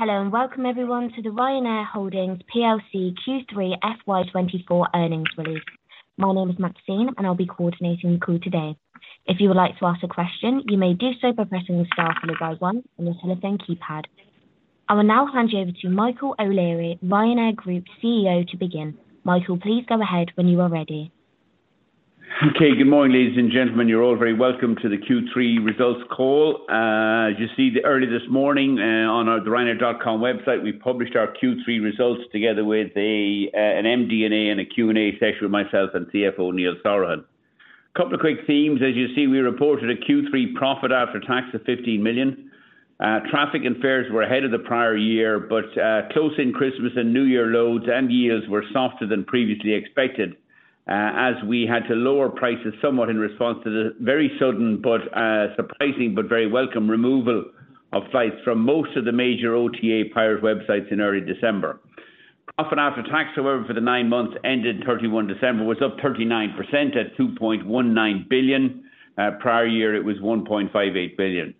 Hello, and welcome everyone to the Ryanair Holdings Plc Q3 FY24 Earnings Release. My name is Maxine, and I'll be coordinating the call today. If you would like to ask a question, you may do so by pressing the star followed by one on your telephone keypad. I will now hand you over to Michael O'Leary, Ryanair Group CEO to begin. Michael, please go ahead when you are ready. Okay. Good morning, ladies and gentlemen. You're all very welcome to the Q3 Results Call. As you see, early this morning, on our ryanair.com website, we published our Q3 results together with a, an MD&A and a Q&A session with myself and CFO Neil Sorahan. Couple of quick themes: as you see, we reported a Q3 profit after tax of 15 million. Traffic and fares were ahead of the prior year, but, close in Christmas and New Year loads and yields were softer than previously expected, as we had to lower prices somewhat in response to the very sudden, but, surprising but very welcome removal of flights from most of the major OTA pirate websites in early December. Profit after tax, however, for the nine months ended 31 December, was up 39% at 2.19 billion. Prior year, it was 1.58 billion.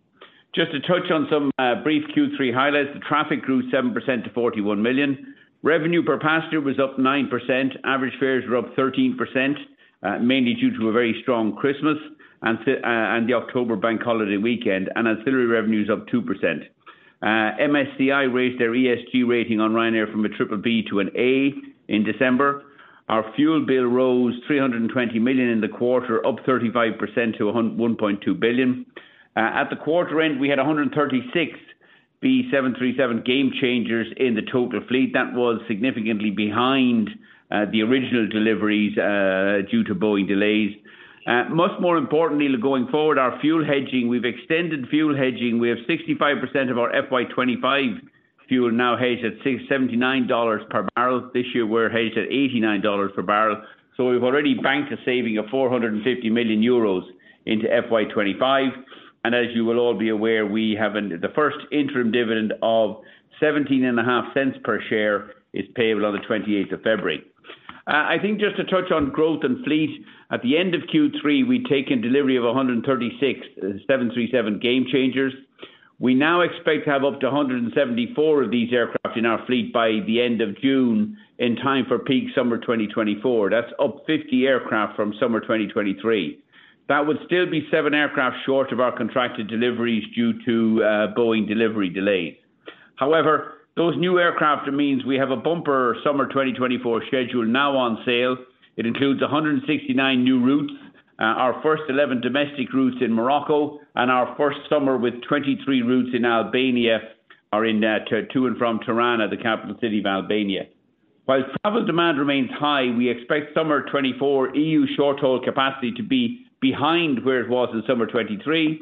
Just to touch on some brief Q3 highlights, the traffic grew 7% to 41 million. Revenue per passenger was up 9%. Average fares were up 13%, mainly due to a very strong Christmas and the October bank holiday weekend, and ancillary revenues up 2%. MSCI raised their ESG rating on Ryanair from a triple B to an A in December. Our fuel bill rose 320 million in the quarter, up 35% to 1.2 billion. At the quarter end, we had 136 B737 Gamechangers in the total fleet. That was significantly behind the original deliveries due to Boeing delays. Much more importantly, looking forward, our fuel hedging. We've extended fuel hedging. We have 65% of our FY '25 fuel now hedged at $67.9 per barrel. This year we're hedged at $89 per barrel. So we've already banked a saving of 450 million euros into FY '25, and as you will all be aware, we have. The first interim dividend of 0.175 per share is payable on the 28th of February. I think just to touch on growth and fleet. At the end of Q3, we'd taken delivery of 136 B737 Gamechangers. We now expect to have up to 174 of these aircraft in our fleet by the end of June, in time for peak summer 2024. That's up 50 aircraft from summer 2023. That would still be seven aircraft short of our contracted deliveries due to Boeing delivery delays. However, those new aircraft means we have a bumper summer 2024 schedule now on sale. It includes 169 new routes, our first 11 domestic routes in Morocco, and our first summer with 23 routes in Albania, are in, to and from Tirana, the capital city of Albania. While travel demand remains high, we expect summer 2024 EU short-haul capacity to be behind where it was in summer 2023,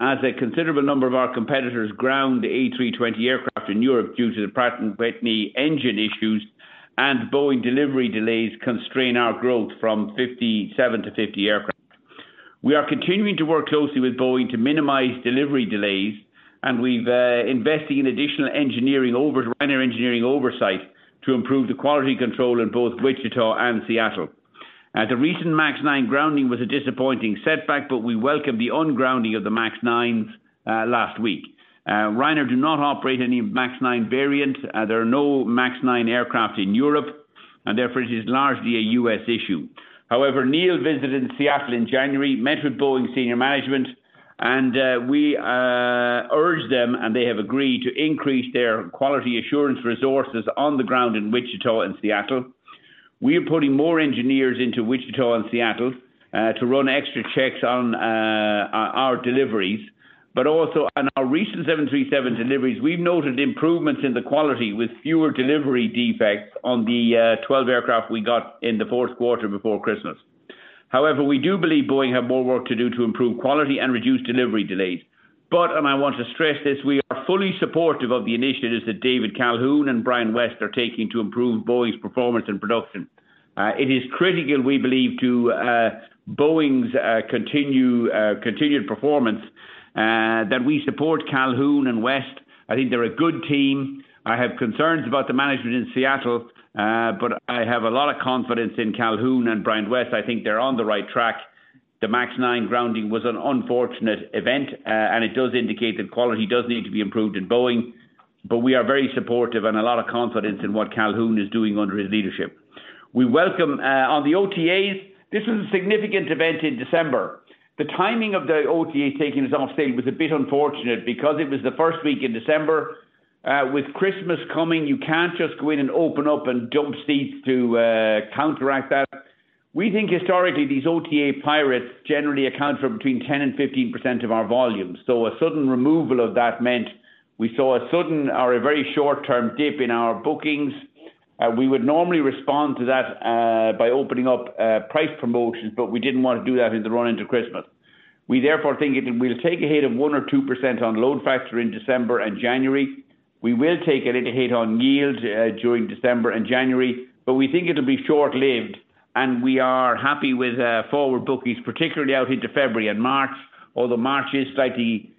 as a considerable number of our competitors ground the A320 aircraft in Europe due to the Pratt & Whitney engine issues, and Boeing delivery delays constrain our growth from 57-50 aircraft. We are continuing to work closely with Boeing to minimize delivery delays, and we're investing in additional Ryanair engineering oversight to improve the quality control in both Wichita and Seattle. The recent MAX 9 grounding was a disappointing setback, but we welcome the ungrounding of the MAX 9s last week. Ryanair do not operate any MAX 9 variant. There are no MAX 9 aircraft in Europe, and therefore it is largely a U.S. issue. However, Neil visited Seattle in January, met with Boeing senior management, and we urged them, and they have agreed to increase their quality assurance resources on the ground in Wichita and Seattle. We are putting more engineers into Wichita and Seattle to run extra checks on our deliveries, but also on our recent 737 deliveries. We've noted improvements in the quality with fewer delivery defects on the 12 aircraft we got in the fourth quarter before Christmas. However, we do believe Boeing have more work to do to improve quality and reduce delivery delays. But, and I want to stress this, we are fully supportive of the initiatives that David Calhoun and Brian West are taking to improve Boeing's performance and production. It is critical, we believe, to Boeing's continued performance that we support Calhoun and West. I think they're a good team. I have concerns about the management in Seattle, but I have a lot of confidence in Calhoun and Brian West. I think they're on the right track. The MAX 9 grounding was an unfortunate event, and it does indicate that quality does need to be improved in Boeing, but we are very supportive and a lot of confidence in what Calhoun is doing under his leadership. We welcome, on the OTAs, this was a significant event in December. The timing of the OTA taking us offstage was a bit unfortunate because it was the first week in December. With Christmas coming, you can't just go in and open up and dump seats to, counteract that. We think historically, these OTA pirates generally account for between 10% and 15% of our volumes. So a sudden removal of that meant we saw a sudden or a very short-term dip in our bookings. We would normally respond to that by opening up price promotions, but we didn't want to do that in the run into Christmas. We therefore think it will take a hit of 1% or 2% on load factor in December and January. We will take a little hit on yield during December and January, but we think it'll be short-lived, and we are happy with forward bookings, particularly out into February and March, although March is slightly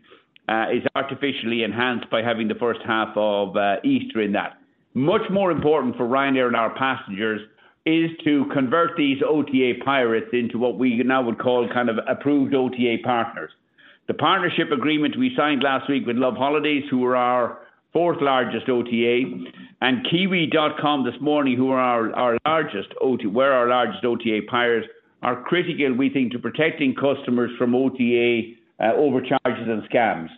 artificially enhanced by having the first half of Easter in that. Much more important for Ryanair and our passengers is to convert these OTA pirates into what we now would call kind of approved OTA partners. The partnership agreement we signed last week with loveholidays, who are our fourth largest OTA, and Kiwi.com this morning, who were our largest OTA pirates, are critical, we think, to protecting customers from OTA overcharges and scams.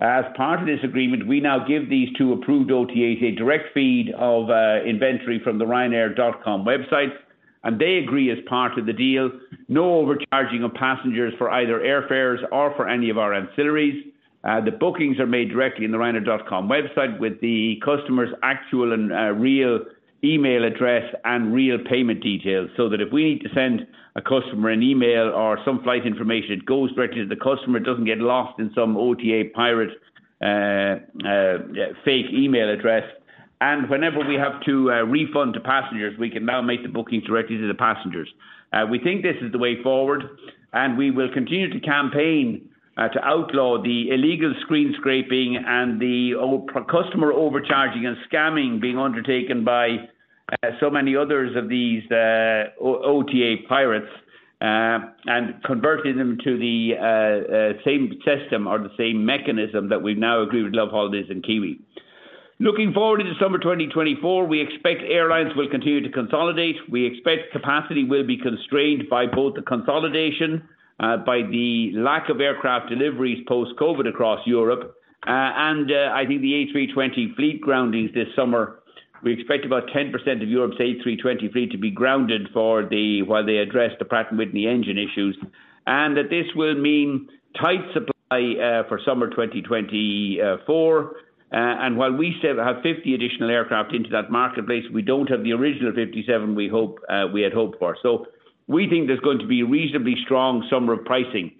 As part of this agreement, we now give these two approved OTAs a direct feed of inventory from the Ryanair.com website, and they agree as part of the deal, no overcharging of passengers for either airfares or for any of our ancillaries. The bookings are made directly in the Ryanair.com website with the customer's actual and real email address and real payment details, so that if we need to send a customer an email or some flight information, it goes directly to the customer. It doesn't get lost in some OTA pirate's fake email address. Whenever we have to refund the passengers, we can now make the booking directly to the passengers. We think this is the way forward, and we will continue to campaign to outlaw the illegal screen scraping and the customer overcharging and scamming being undertaken by so many others of these OTA pirates, and converting them to the same system or the same mechanism that we've now agreed with loveholidays and Kiwi. Looking forward to the summer 2024, we expect airlines will continue to consolidate. We expect capacity will be constrained by both the consolidation, by the lack of aircraft deliveries post-COVID across Europe, and I think the A320 fleet groundings this summer. We expect about 10% of Europe's A320 fleet to be grounded for the while they address the Pratt & Whitney engine issues, and that this will mean tight supply for summer 2024. And while we still have 50 additional aircraft into that marketplace, we don't have the original 57 we hope, we had hoped for. So we think there's going to be reasonably strong summer pricing.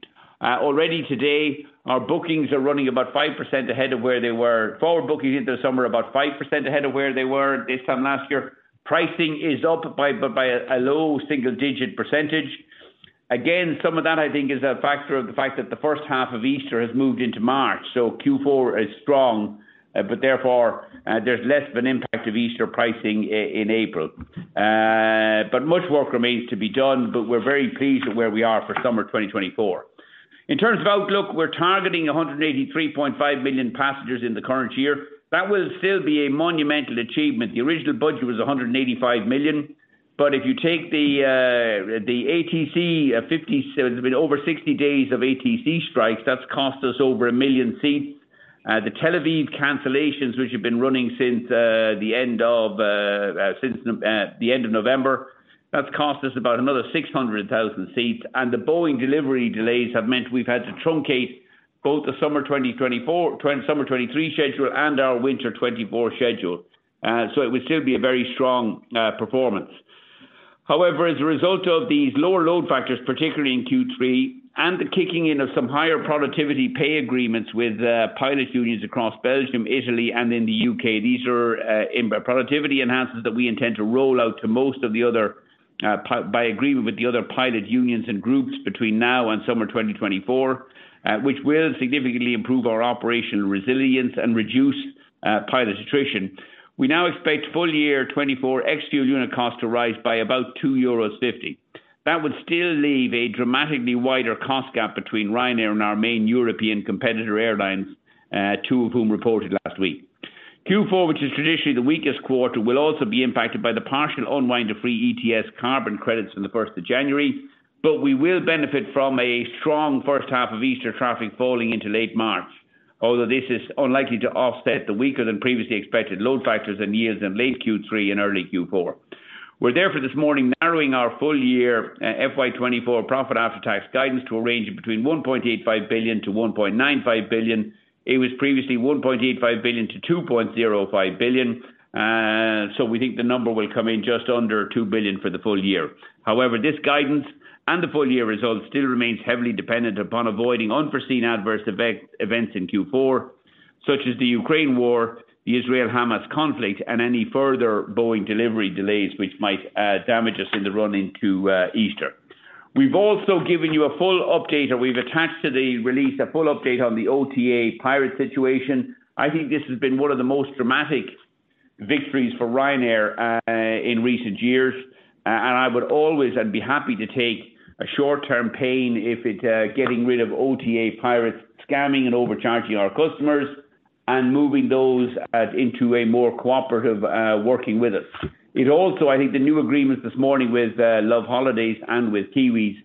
Already today, our bookings are running about 5% ahead of where they were. Forward bookings into the summer about 5% ahead of where they were this time last year. Pricing is up by, by a low single-digit %. Again, some of that, I think, is a factor of the fact that the first half of Easter has moved into March, so Q4 is strong, but therefore, there's less of an impact of Easter pricing in April. But much work remains to be done, but we're very pleased with where we are for summer 2024. In terms of outlook, we're targeting 183.5 million passengers in the current year. That will still be a monumental achievement. The original budget was 185 million, but if you take the ATC fifty, so it's been over 60 days of ATC strikes, that's cost us over 1 million seats. The Tel Aviv cancellations, which have been running since the end of November, that's cost us about another 600,000 seats. And the Boeing delivery delays have meant we've had to truncate both the summer 2023 schedule and our winter 2024 schedule. So it would still be a very strong performance. However, as a result of these lower load factors, particularly in Q3, and the kicking in of some higher productivity pay agreements with pilot unions across Belgium, Italy, and in the U.K., these are in productivity enhances that we intend to roll out to most of the other by agreement with the other pilot unions and groups between now and summer 2024, which will significantly improve our operational resilience and reduce pilot attrition. We now expect full year 2024 ex-fuel unit cost to rise by about 2.50 euros. That would still leave a dramatically wider cost gap between Ryanair and our main European competitor airlines, two of whom reported last week. Q4, which is traditionally the weakest quarter, will also be impacted by the partial unwind of free ETS carbon credits from the first of January, but we will benefit from a strong first half of Easter traffic falling into late March, although this is unlikely to offset the weaker-than-previously expected load factors and fares in late Q3 and early Q4. We're therefore this morning narrowing our full-year, FY 2024 profit after tax guidance to a range between 1.85 billion to 1.95 billion. It was previously 1.85 billion to 2.05 billion. So we think the number will come in just under 2 billion for the full year. However, this guidance and the full-year results still remains heavily dependent upon avoiding unforeseen adverse events in Q4, such as the Ukraine war, the Israel-Hamas conflict, and any further Boeing delivery delays which might, damage us in the run into, Easter. We've also given you a full update, or we've attached to the release, a full update on the OTA pirate situation. I think this has been one of the most dramatic victories for Ryanair, in recent years, and I would always and be happy to take a short-term pain if it, getting rid of OTA pirates scamming and overcharging our customers and moving those, into a more cooperative, working with us. It also, I think the new agreements this morning with loveholidays and with Kiwis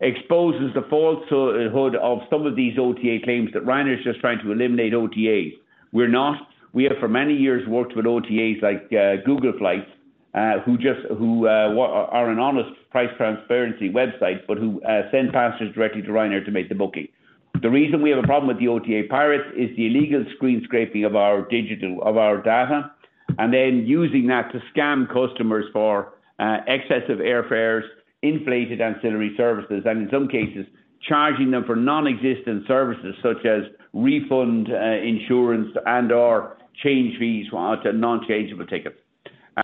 exposes the falsehood of some of these OTA claims that Ryanair is just trying to eliminate OTAs. We're not. We have for many years worked with OTAs like Google Flights, who are an honest price transparency website, but who send passengers directly to Ryanair to make the booking. The reason we have a problem with the OTA pirates is the illegal screen scraping of our digital data, and then using that to scam customers for excessive airfares, inflated ancillary services, and in some cases, charging them for non-existent services such as refund insurance and/or change fees onto non-changeable tickets.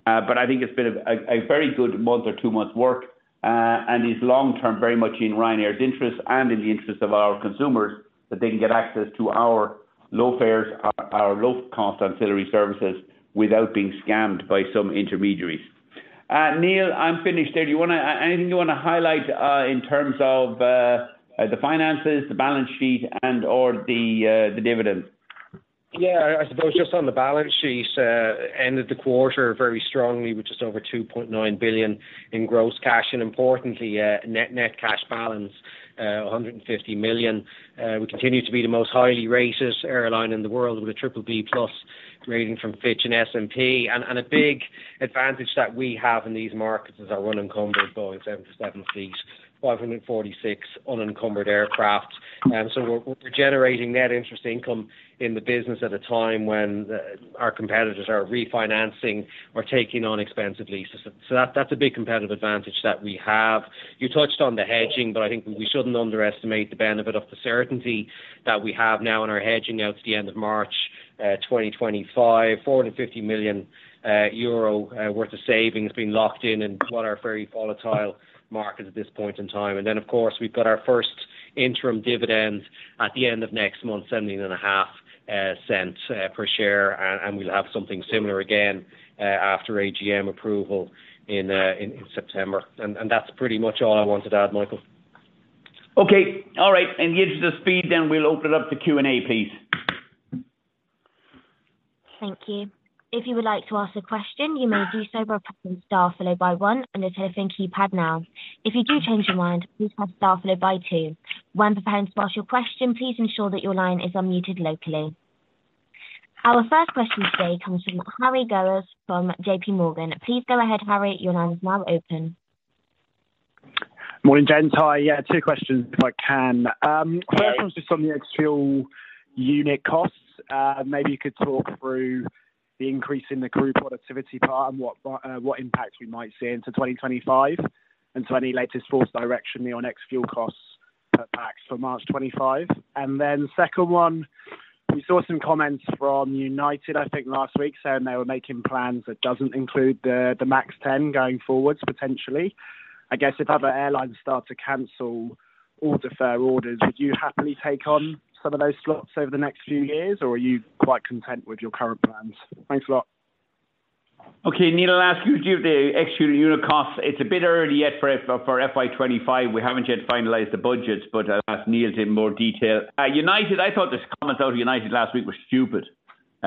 But I think it's been a very good month or two months' work, and is long-term, very much in Ryanair's interest and in the interest of our consumers, that they can get access to our low fares, our low-cost ancillary services, without being scammed by some intermediaries. Neil, I'm finished here. Do you wanna add anything you wanna highlight in terms of the finances, the balance sheet, and or the dividend? Yeah, I suppose just on the balance sheet, ended the quarter very strongly with just over 2.9 billion in gross cash, and importantly, net, net cash balance, 150 million. We continue to be the most highly rated airline in the world with a BBB+ rating from Fitch and S&P. And a big advantage that we have in these markets is our unencumbered Boeing 737 fleet, 546 unencumbered aircraft. So we're, we're generating net interest income in the business at a time when our competitors are refinancing or taking on expensive leases. So that, that's a big competitive advantage that we have. You touched on the hedging, but I think we shouldn't underestimate the benefit of the certainty that we have now in our hedging out to the end of March 2025. 450 million euro worth of savings being locked in in what are very volatile markets at this point in time. And then, of course, we've got our first interim dividend at the end of next month, 0.175 per share, and we'll have something similar again after AGM approval in September. And that's pretty much all I wanted to add, Michael. Okay. All right, and gives us the speed, then we'll open it up to Q&A, please. Thank you. If you would like to ask a question, you may do so by pressing star followed by one on your telephone keypad now. If you do change your mind, please press star followed by two. When preparing to ask your question, please ensure that your line is unmuted locally. Our first question today comes from Harry Gowers from JPMorgan. Please go ahead, Harry, your line is now open. Morning, gents. Hi. Yeah, two questions if I can. First one's just on the ex-fuel unit costs. Maybe you could talk through the increase in the crew productivity part and what impact we might see into 2025, and so any latest forecast direction on your next fuel costs, perhaps, for March 2025? And then second one, we saw some comments from United, I think last week, saying they were making plans that doesn't include the MAX 10 going forwards, potentially. I guess if other airlines start to cancel or defer orders, would you happily take on some of those slots over the next few years, or are you quite content with your current plans? Thanks a lot. Okay. Neil, I'll ask you to do the ex-unit unit costs. It's a bit early yet for FY 2025. We haven't yet finalized the budgets, but I'll ask Neil to give more detail. United, I thought the comments out of United last week were stupid.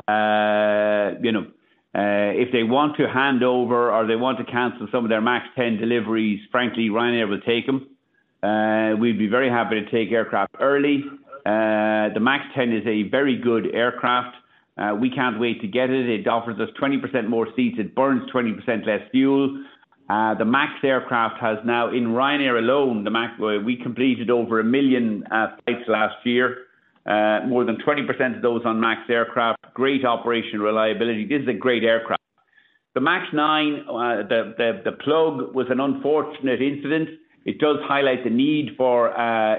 You know, if they want to hand over or they want to cancel some of their MAX 10 deliveries, frankly, Ryanair will take them. We'd be very happy to take aircraft early. The MAX 10 is a very good aircraft. We can't wait to get it. It offers us 20% more seats. It burns 20% less fuel. The MAX aircraft has now, in Ryanair alone, the MAX, we completed over 1 million flights last year. More than 20% of those on MAX aircraft. Great operation reliability. This is a great aircraft. The MAX 9, the plug was an unfortunate incident. It does highlight the need for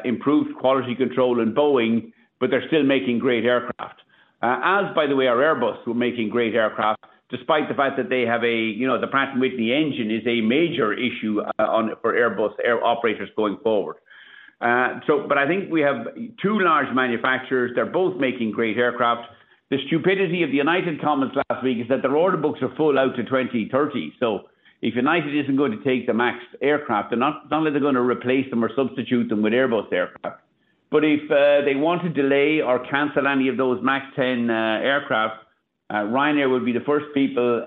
improved quality control in Boeing, but they're still making great aircraft. As by the way, are Airbus, who are making great aircraft, despite the fact that they have a the Pratt & Whitney engine is a major issue on, for Airbus air operators going forward. So but I think we have two large manufacturers. They're both making great aircraft. The stupidity of the United comments last week is that their order books are full out to 2030. So if United isn't going to take the MAX aircraft, they're not, not only are they going to replace them or substitute them with Airbus aircraft, but if they want to delay or cancel any of those MAX 10 aircraft, Ryanair would be the first people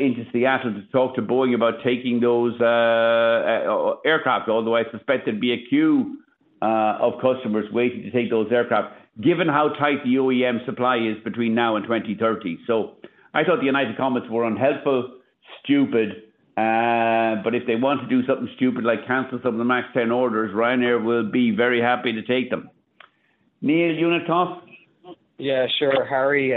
into Seattle to talk to Boeing about taking those aircraft, although I suspect there'd be a queue of customers waiting to take those aircraft, given how tight the OEM supply is between now and 2030. So I thought the United comments were unhelpful, stupid, but if they want to do something stupid, like cancel some of the MAX 10 orders, Ryanair will be very happy to take them. Neil, unit cost? Yeah, sure. Harry,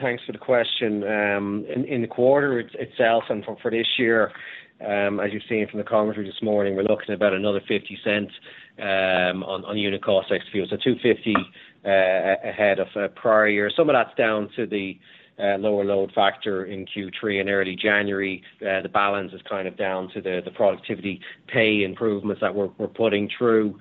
thanks for the question. In the quarter itself and for this year, as you've seen from the commentary this morning, we're looking at about another 0.50 on unit cost ex-fuel. So 2.50 ahead of prior years. Some of that's down to the lower load factor in Q3 and early January. The balance is kind of down to the productivity pay improvements that we're putting through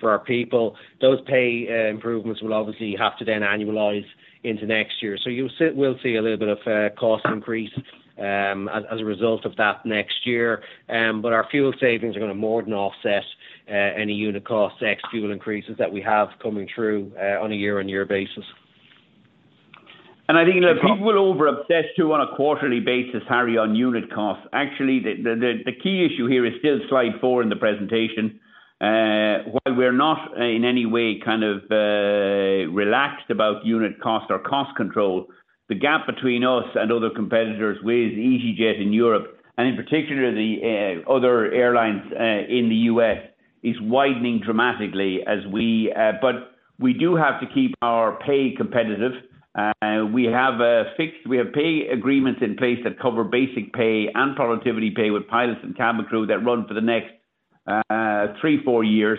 for our people. Those pay improvements will obviously have to then annualize into next year. So you'll see, we'll see a little bit of cost increase as a result of that next year. But our fuel savings are going to more than offset any unit cost, ex-fuel increases that we have coming through on a year-on-year basis. I think people were over-obsessed, too, on a quarterly basis, Harry, on unit cost. Actually, the key issue here is still slide 4 in the presentation. While we're not in any way kind of relaxed about unit cost or cost control, the gap between us and other competitors with EasyJet in Europe, and in particular, the other airlines in the U.S., is widening dramatically but we do have to keep our pay competitive. We have pay agreements in place that cover basic pay and productivity pay with pilots and cabin crew that run for the next 3-4 years.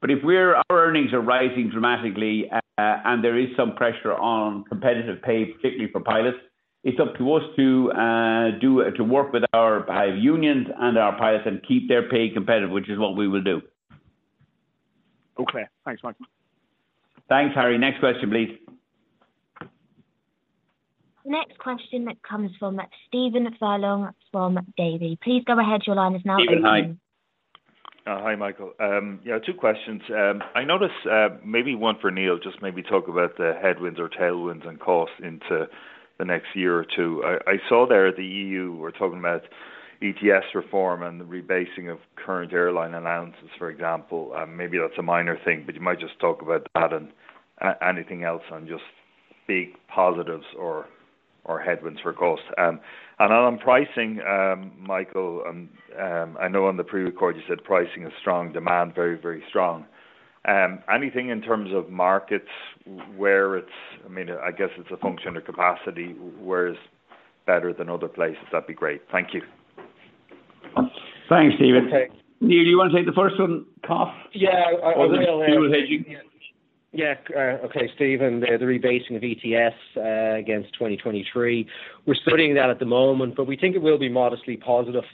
But if our earnings are rising dramatically, and there is some pressure on competitive pay, particularly for pilots, it's up to us to work with our unions and our pilots and keep their pay competitive, which is what we will do. Okay, thanks Michael. Thanks, Harry. Next question, please. Next question comes from Stephen Furlong from Davy. Please go ahead, your line is now open. Stephen, hi. Hi, Michael. Yeah, two questions. I noticed, maybe one for Neil, just maybe talk about the headwinds or tailwinds and costs into the next year or two. I saw there the EU were talking about ETS reform and the rebasing of current airline allowances, for example. Maybe that's a minor thing, but you might just talk about that and anything else on just big positives or headwinds for cost. And on pricing, Michael, I know on the pre-record you said pricing is strong, demand very, very strong. Anything in terms of markets where it's—I mean, I guess it's a function of capacity, where it's better than other places? That'd be great. Thank you. Thanks, Stephen. Neil, you want to take the first one, cost? Yeah, I will. You will take it. Yeah. Okay, Stephen, the rebasing of ETS against 2023, we're studying that at the moment, but we think it will be modestly positive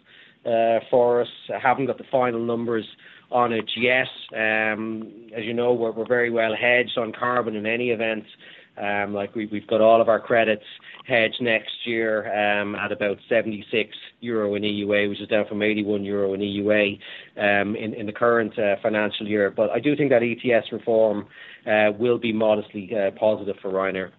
for us. I haven't got the final numbers on it yet. As you know, we're very well hedged on carbon in any event. Like we, we've got all of our credits hedged next year at about 76 euro in EUA, which is down from 81 euro in EUA in the current financial year. But I do think that ETS reform will be modestly positive for Ryanair.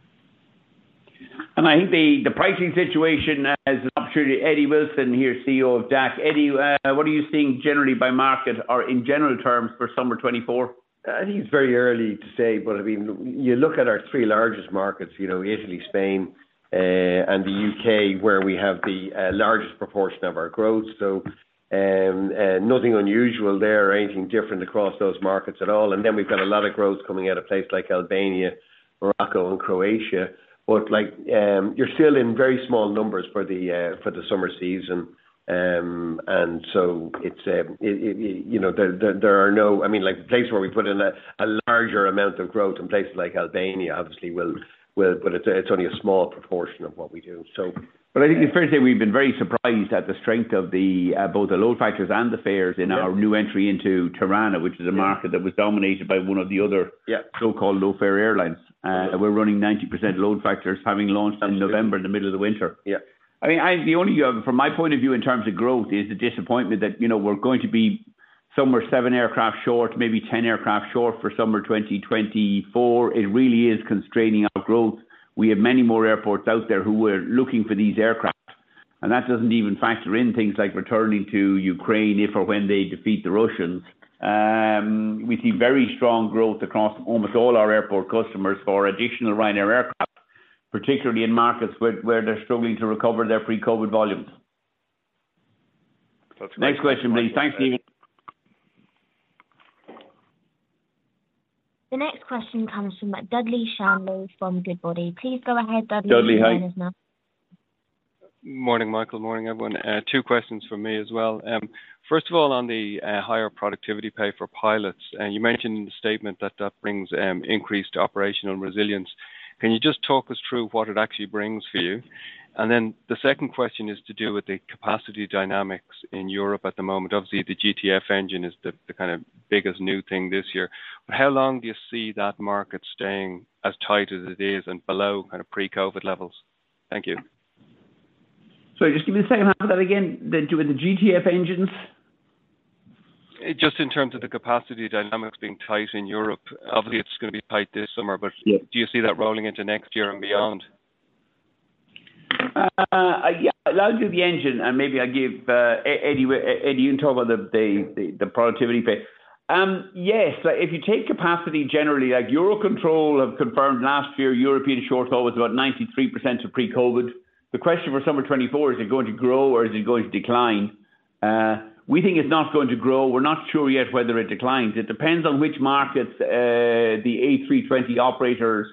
And I think the pricing situation as an opportunity, Eddie Wilson here, CEO of DAC. Eddie, what are you seeing generally by market or in general terms for summer 2024? I think it's very early to say, but I mean, you look at our three largest markets Italy, Spain, and the U.K., where we have the largest proportion of our growth. So, nothing unusual there or anything different across those markets at all. And then we've got a lot of growth coming out of places like Albania, Morocco and Croatia. But like, you're still in very small numbers for the summer season. And so it's there are no- I mean, like the places where we put in a larger amount of growth in places like Albania obviously will, but it's only a small proportion of what we do, so. But I think it's fair to say we've been very surprised at the strength of the, both the load factors and the fares in our new entry into Tirana, which is a market that was dominated by one of the other so-called low-fare airlines. We're running 90% load factors, having launched in November in the middle of the winter. I mean, the only, from my point of view in terms of growth, is the disappointment that we're going to be somewhere 7 aircraft short, maybe 10 aircraft short for summer 2024. It really is constraining our growth. We have many more airports out there who were looking for these aircraft, and that doesn't even factor in things like returning to Ukraine, if or when they defeat the Russians. We see very strong growth across almost all our airport customers for additional Ryanair aircraft, particularly in markets where they're struggling to recover their pre-COVID volumes. Next question, please. Thanks, Stephen. The next question comes from Dudley Shanley from Goodbody. Please go ahead, Dudley. Dudley, hi. Morning, Michael. Morning, everyone. Two questions from me as well. First of all, on the higher productivity pay for pilots, and you mentioned in the statement that that brings increased operational resilience. Can you just talk us through what it actually brings for you? And then the second question is to do with the capacity dynamics in Europe at the moment. Obviously, the GTF engine is the kind of biggest new thing this year. How long do you see that market staying as tight as it is and below kind of pre-COVID levels? Thank you. Sorry, just give me the second half of that again. The doing the GTF engines? Just in terms of the capacity dynamics being tight in Europe, obviously it's going to be tight this summer, but do you see that rolling into next year and beyond? Yeah, I'll do the engine and maybe I'll give Eddie, you can talk about the productivity bit. Yes, like if you take capacity generally, like EUROCONTROL have confirmed last year, European short-haul was about 93% of pre-COVID. The question for summer 2024, is it going to grow or is it going to decline? We think it's not going to grow. We're not sure yet whether it declines. It depends on which markets, the A320 operators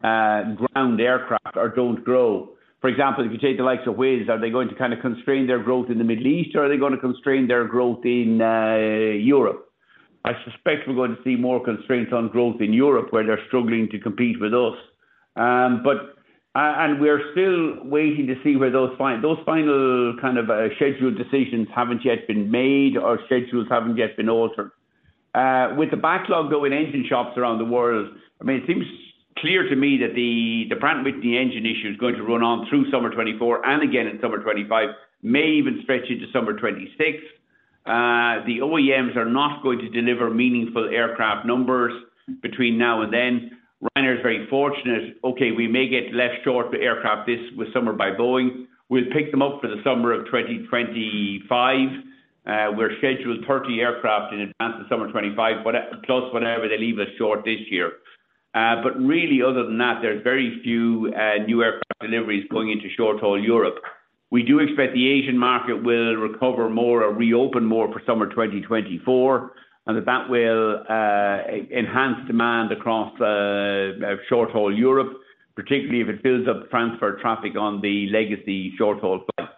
ground aircraft or don't grow. For example, if you take the likes of Wizz, are they going to kind of constrain their growth in the Middle East, or are they going to constrain their growth in Europe? I suspect we're going to see more constraints on growth in Europe, where they're struggling to compete with us. and we're still waiting to see where those final kind of schedule decisions haven't yet been made or schedules haven't yet been altered. With the backlog of engine shops around the world, I mean, it seems clear to me that the Pratt & Whitney engine issue is going to run on through summer 2024 and again in summer 2025. May even stretch into summer 2026. The OEMs are not going to deliver meaningful aircraft numbers between now and then. Ryanair is very fortunate. Okay, we may get less short aircraft this with summer by Boeing. We'll pick them up for the summer of 2025. We're scheduled 30 aircraft in advance of summer 2025, plus whatever they leave us short this year. But really, other than that, there's very few new aircraft deliveries going into short-haul Europe. We do expect the Asian market will recover more or reopen more for summer 2024, and that will enhance demand across short-haul Europe, particularly if it builds up transfer traffic on the legacy short-haul flight.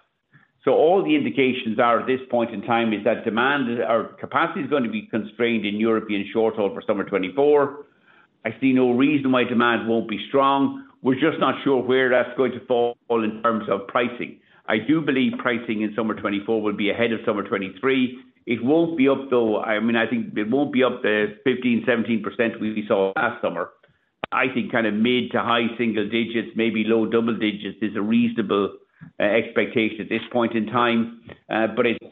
So all the indications are, at this point in time, is that demand or capacity is going to be constrained in European short-haul for summer 2024. I see no reason why demand won't be strong. We're just not sure where that's going to fall in terms of pricing. I do believe pricing in summer 2024 will be ahead of summer 2023. It won't be up, though I think it won't be up the 15%-17% we saw last summer. I think kind of mid- to high-single digits, maybe low double digits, is a reasonable expectation at this point in time. But it's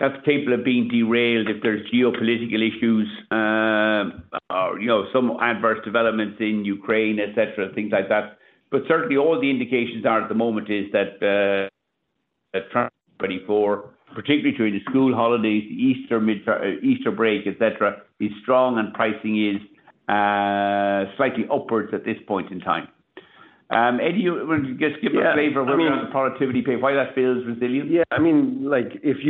that's capable of being derailed if there's geopolitical issues, or, you know, some adverse developments in Ukraine, et cetera, things like that. But certainly all the indications are at the moment is that, that summer 2024, particularly during the school holidays, Easter break, et cetera, is strong and pricing is, slightly upwards at this point in time. Eddie, will you just give a flavor around the productivity pay, why that feels resilient? If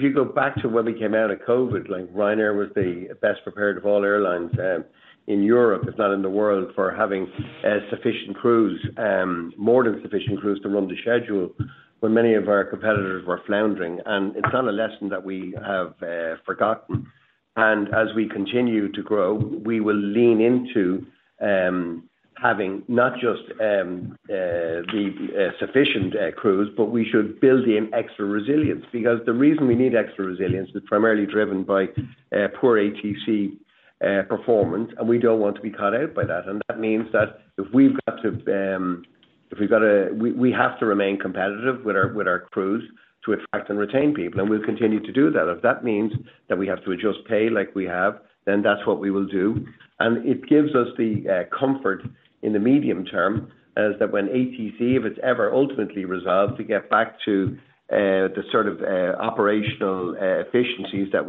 you go back to when we came out of COVID, like, Ryanair was the best prepared of all airlines, in Europe, if not in the world, for having, sufficient crews, more than sufficient crews to run the schedule when many of our competitors were floundering. And it's not a lesson that we have, forgotten. And as we continue to grow, we will lean into, having not just, the, sufficient, crews, but we should build in extra resilience. Because the reason we need extra resilience is primarily driven by, poor ATC, performance, and we don't want to be caught out by that. And that means that if we've got to, if we've got to. We have to remain competitive with our crews to attract and retain people, and we'll continue to do that. If that means that we have to adjust pay like we have, then that's what we will do. And it gives us the comfort in the medium term is that when ATC, if it's ever ultimately resolved, to get back to the sort of operational efficiencies that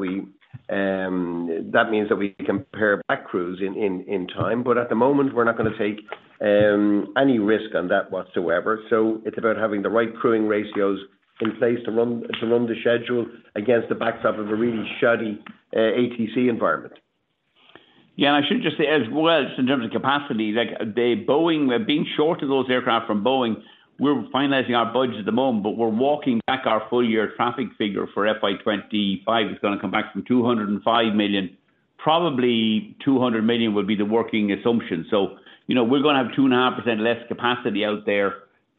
means that we can pare back crews in time. But at the moment, we're not gonna take any risk on that whatsoever. So it's about having the right crewing ratios in place to run the schedule against the backdrop of a really shoddy ATC environment. Yeah, and I should just say as well, just in terms of capacity, like the Boeing, we're being short of those aircraft from Boeing. We're finalizing our budget at the moment, but we're walking back our full year traffic figure for FY 25. It's gonna come back from 205 million. Probably, 200 million would be the working assumption. So, you know, we're gonna have 2.5% less capacity out there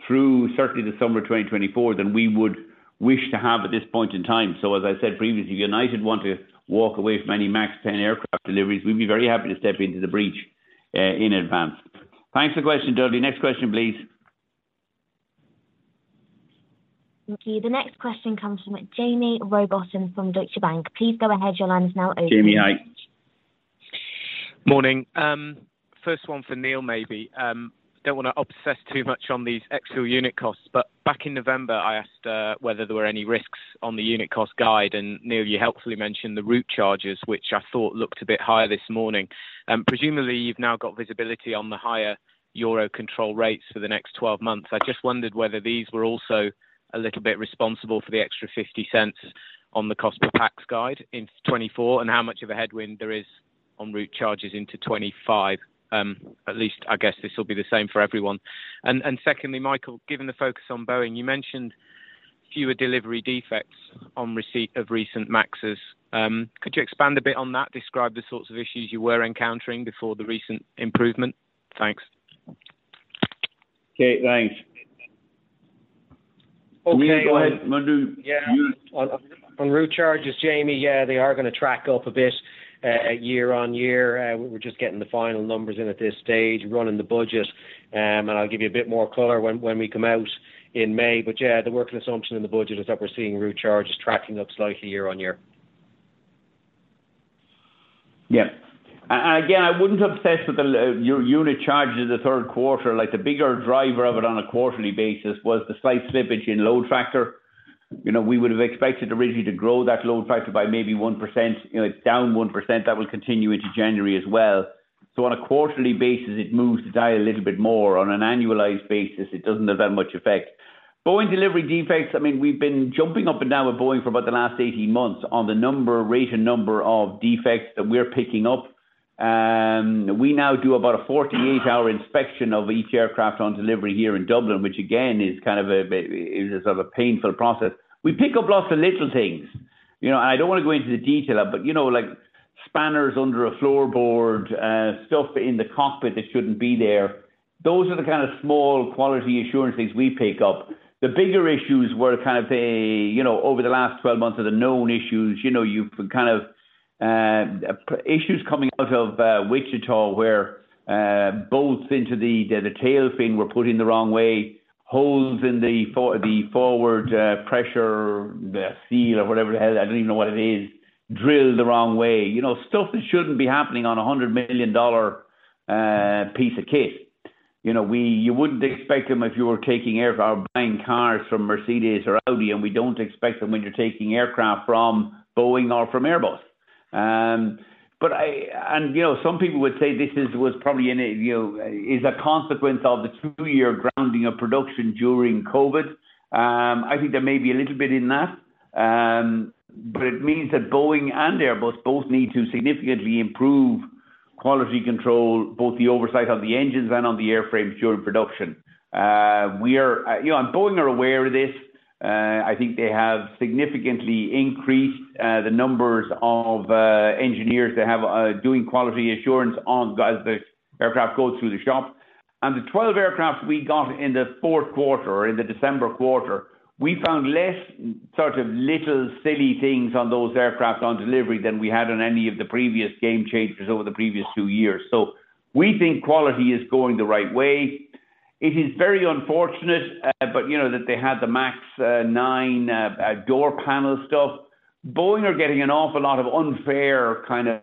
through certainly the summer 2024, than we would wish to have at this point in time. So as I said previously, if United Airlines want to walk away from any MAX 10 aircraft deliveries, we'd be very happy to step into the breach, in advance. Thanks for the question, Dudley. Next question, please. Thank you. The next question comes from Jamie Rowbotham from Deutsche Bank. Please go ahead. Your line is now open. Jamie, hi. Morning. First one for Neil, maybe. Don't want to obsess too much on these ex fuel unit costs, but back in November, I asked whether there were any risks on the unit cost guide, and, Neil, you helpfully mentioned the route charges, which I thought looked a bit higher this morning. Presumably, you've now got visibility on the higher EUROCONTROL rates for the next twelve months. I just wondered whether these were also a little bit responsible for the extra 0.50 on the cost per packs guide in 2024, and how much of a headwind there is on route charges into 2025. At least, I guess this will be the same for everyone. And secondly, Michael, given the focus on Boeing, you mentioned fewer delivery defects on receipt of recent MAXes. Could you expand a bit on that? Describe the sorts of issues you were encountering before the recent improvement? Thanks. Okay, thanks. On route charges, Jamie, yeah, they are gonna track up a bit, year on year. We're just getting the final numbers in at this stage, running the budget. And I'll give you a bit more color when we come out in May. But yeah, the working assumption in the budget is that we're seeing route charges tracking up slightly year on year. I wouldn't obsess with the your unit charges the third quarter. Like, the bigger driver of it on a quarterly basis was the slight slippage in load factor. We would have expected originally to grow that load factor by maybe 1%. It's down 1%. That will continue into January as well. So on a quarterly basis, it moves the dial a little bit more. On an annualized basis, it doesn't have that much effect. Boeing delivery defects, I mean, we've been jumping up and down with Boeing for about the last 18 months on the number, rate, and number of defects that we're picking up. We now do about a 48-hour inspection of each aircraft on delivery here in Dublin, which again, is kind of a sort of painful process. We pick up lots of little things and I don't want to go into the detail, but like spanners under a floorboard, stuff in the cockpit that shouldn't be there. Those are the kind of small quality assurance things we pick up. The bigger issues were over the last 12 months of the known issues you've issues coming out of Wichita, where bolts into the tail fin were put in the wrong way, holes in the forward pressure, the seal or whatever the hell, I don't even know what it is, drilled the wrong way. Stuff that shouldn't be happening on a $100 million piece of kit. You wouldn't expect them if you were taking a car or buying cars from Mercedes or Audi, and we don't expect them when you're taking aircraft from Boeing or from Airbus. But ome people would say this was probably a consequence of the two-year grounding of production during COVID. I think there may be a little bit in that. But it means that Boeing and Airbus both need to significantly improve quality control, both the oversight on the engines and on the airframes during production. We are and Boeing are aware of this. I think they have significantly increased the numbers of engineers that are doing quality assurance on, as the aircraft go through the shop. The 12 aircraft we got in the fourth quarter, or in the December quarter, we found less sort of little silly things on those aircraft on delivery than we had on any of the previous game changers over the previous 2 years. So we think quality is going the right way. It is very unfortunate, but you know, that they had the MAX 9 door panel stuff. Boeing are getting an awful lot of unfair kind of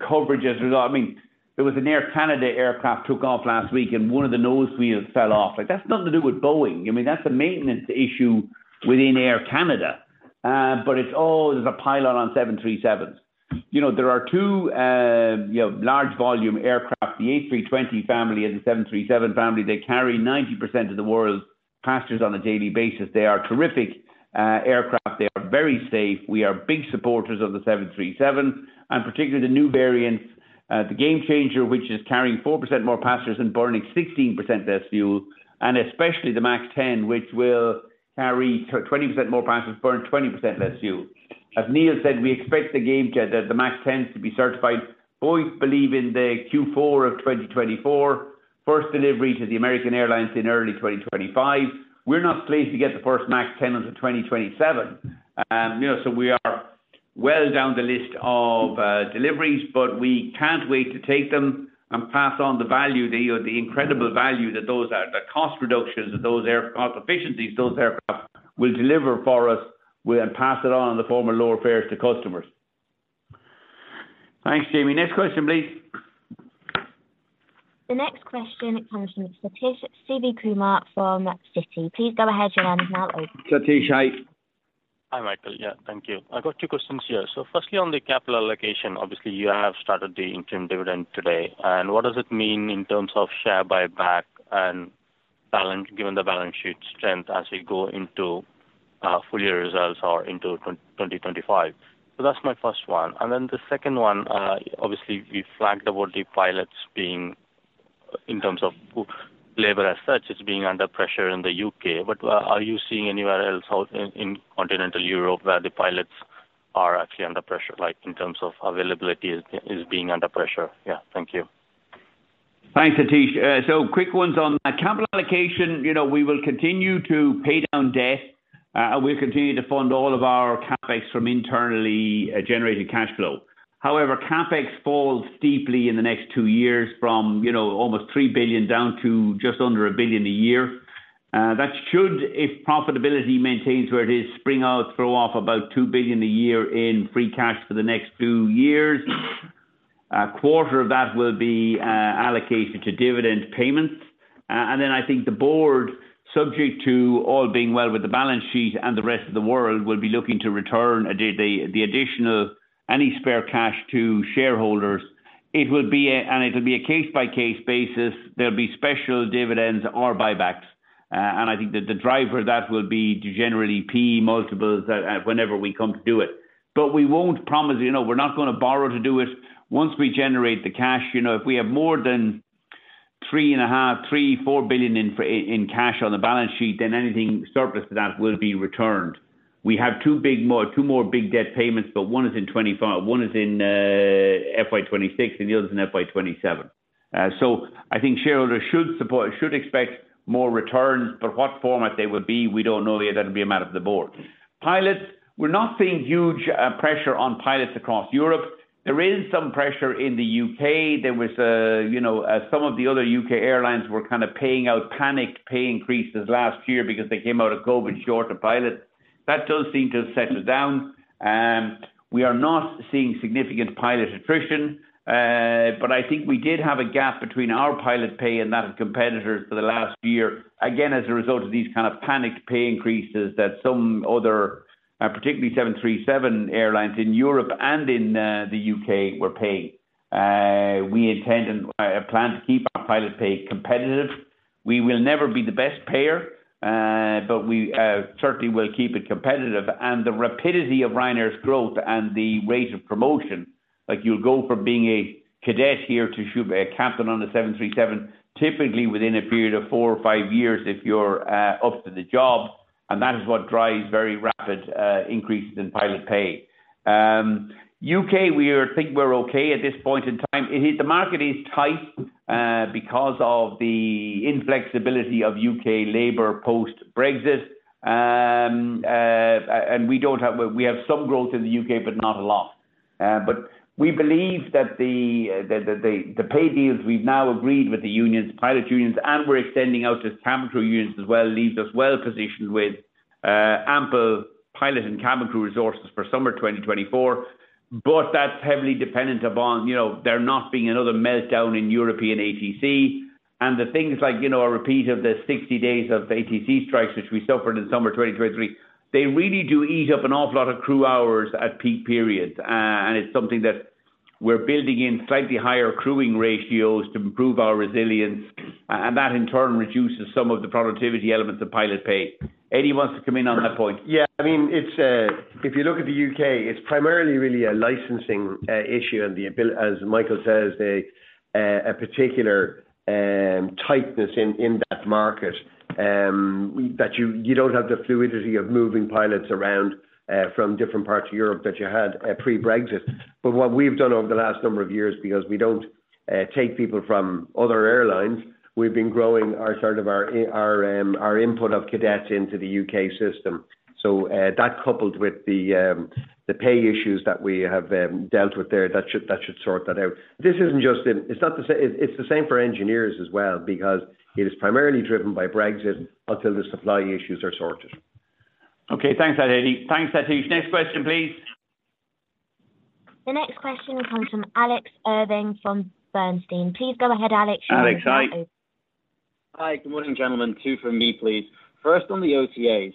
coverage as a result. I mean, there was an Air Canada aircraft took off last week, and one of the nose wheels fell off. Like, that's nothing to do with Boeing. I mean, that's a maintenance issue within Air Canada. But it's, "Oh, there's a pilot on 737." There are two large volume aircraft, the A320 family and the 737 family. They carry 90% of the world's passengers on a daily basis. They are terrific, aircraft. They are very safe. We are big supporters of the 737, and particularly the new variants. The game changer, which is carrying 4% more passengers and burning 16% less fuel, and especially the MAX 10, which will carry twenty percent more passengers, burn 20% less fuel. As Neil said, we expect the game ch- the MAX 10s to be certified. Boeing believe in the Q4 of 2024, first delivery to the American Airlines in early 2025. We're not pleased to get the first MAX 10 until 2027. You know, so we are well down the list of, deliveries, but we can't wait to take them and pass on the value, the incredible value that those are. The cost reductions, those air cost efficiencies, those aircraft will deliver for us, we'll then pass it on in the form of lower fares to customers. Thanks, Jamie. Next question, please. The next question comes from Satish Sivakumar from Citi. Please go ahead, your line is now open. Satish, hi. Hi, Michael. Yeah, thank you. I've got two questions here. So firstly, on the capital allocation, obviously, you have started the interim dividend today, and what does it mean in terms of share buyback and balance, given the balance sheet strength as we go into full year results or into 2025? So that's my first one. And then the second one, obviously, you flagged about the pilots being, in terms of labor as such, as being under pressure in the U.K., but are you seeing anywhere else out in continental Europe, where the pilots are actually under pressure, like in terms of availability is being under pressure? Yeah. Thank you. Thanks, Satish. So quick ones on that. Capital allocation we will continue to pay down debt, and we'll continue to fund all of our CapEx from internally generating cash flow. However, CapEx falls steeply in the next two years from almost 3 billion down to just under 1 billion a year. That should, if profitability maintains where it is, spring out, throw off about 2 billion a year in free cash for the next two years. A quarter of that will be allocated to dividend payments. And then I think the board, subject to all being well with the balance sheet and the rest of the world, will be looking to return the, the additional, any spare cash to shareholders. And it'll be a case-by-case basis. There'll be special dividends or buybacks. And I think that the driver of that will be generally P/E multiples, whenever we come to do it. But we won't promise we're not gonna borrow to do it. Once we generate the cash if we have more than 3 billion to 4 billion in cash on the balance sheet, then anything surplus to that will be returned. We have two more big debt payments, but one is in 2025, one is in FY26 and the other is in FY27. So I think shareholders should expect more returns, but what format they will be, we don't know yet. That'll be a matter of the board. Pilots, we're not seeing huge pressure on pilots across Europe. There is some pressure in the U.K.. There was, you know, some of the other U.K. airlines were kind of paying out panicked pay increases last year because they came out of COVID short of pilots. That does seem to have settled down. We are not seeing significant pilot attrition, but I think we did have a gap between our pilot pay and that of competitors for the last year. Again, as a result of these kind of panicked pay increases that some other, particularly 737 airlines in Europe and in, the U.K. were paying. We intend and plan to keep our pilot pay competitive. We will never be the best payer, but we certainly will keep it competitive. The rapidity of Ryanair's growth and the rate of promotion, like, you'll go from being a cadet here to a captain on the 737, typically within a period of four or five years, if you're up to the job, and that is what drives very rapid increases in pilot pay. U.K., we think we're okay at this point in time. It is the market is tight because of the inflexibility of U.K. labor post-Brexit. And we don't have. We have some growth in the U.K., but not a lot. But we believe that the pay deals we've now agreed with the unions, pilot unions, and we're extending out to cabin crew unions as well, leaves us well-positioned with ample pilot and cabin crew resources for summer 2024. But that's heavily dependent upon there not being another meltdown in European ATC. And the things like a repeat of the 60 days of ATC strikes, which we suffered in summer 2023, they really do eat up an awful lot of crew hours at peak periods. And it's something that we're building in slightly higher crewing ratios to improve our resilience, and that in turn reduces some of the productivity elements of pilot pay. Eddie wants to come in on that point? If you look at the U.K., it's primarily really a licensing issue and the ability, as Michael says, a particular tightness in that market that you don't have the fluidity of moving pilots around from different parts of Europe that you had pre-Brexit. But what we've done over the last number of years, because we don't take people from other airlines, we've been growing our sort of our input of cadets into the U.K. system. So, that coupled with the pay issues that we have dealt with there, that should sort that out. This isn't just in. It's the same for engineers as well, because it is primarily driven by Brexit until the supply issues are sorted. Thanks, Eddie. Next question, please. The next question comes from Alex Irving from Bernstein. Please go ahead, Alex, your line is open. Alex, hi. Hi, good morning, gentlemen. Two from me, please. First, on the OTAs,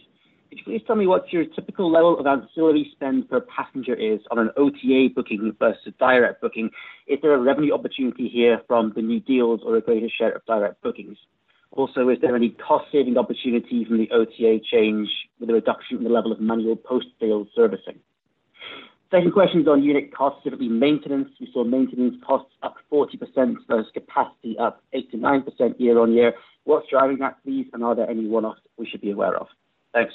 could you please tell me what your typical level of ancillary spend per passenger is on an OTA booking versus direct booking? Is there a revenue opportunity here from the new deals or a greater share of direct bookings? Also, is there any cost-saving opportunity from the OTA change with a reduction in the level of manual post-sale servicing? Second question is on unit costs, it'll be maintenance. We saw maintenance costs up 40%, so as capacity up 8%-9% year-on-year. What's driving that please? And are there any one-offs we should be aware of? Thanks.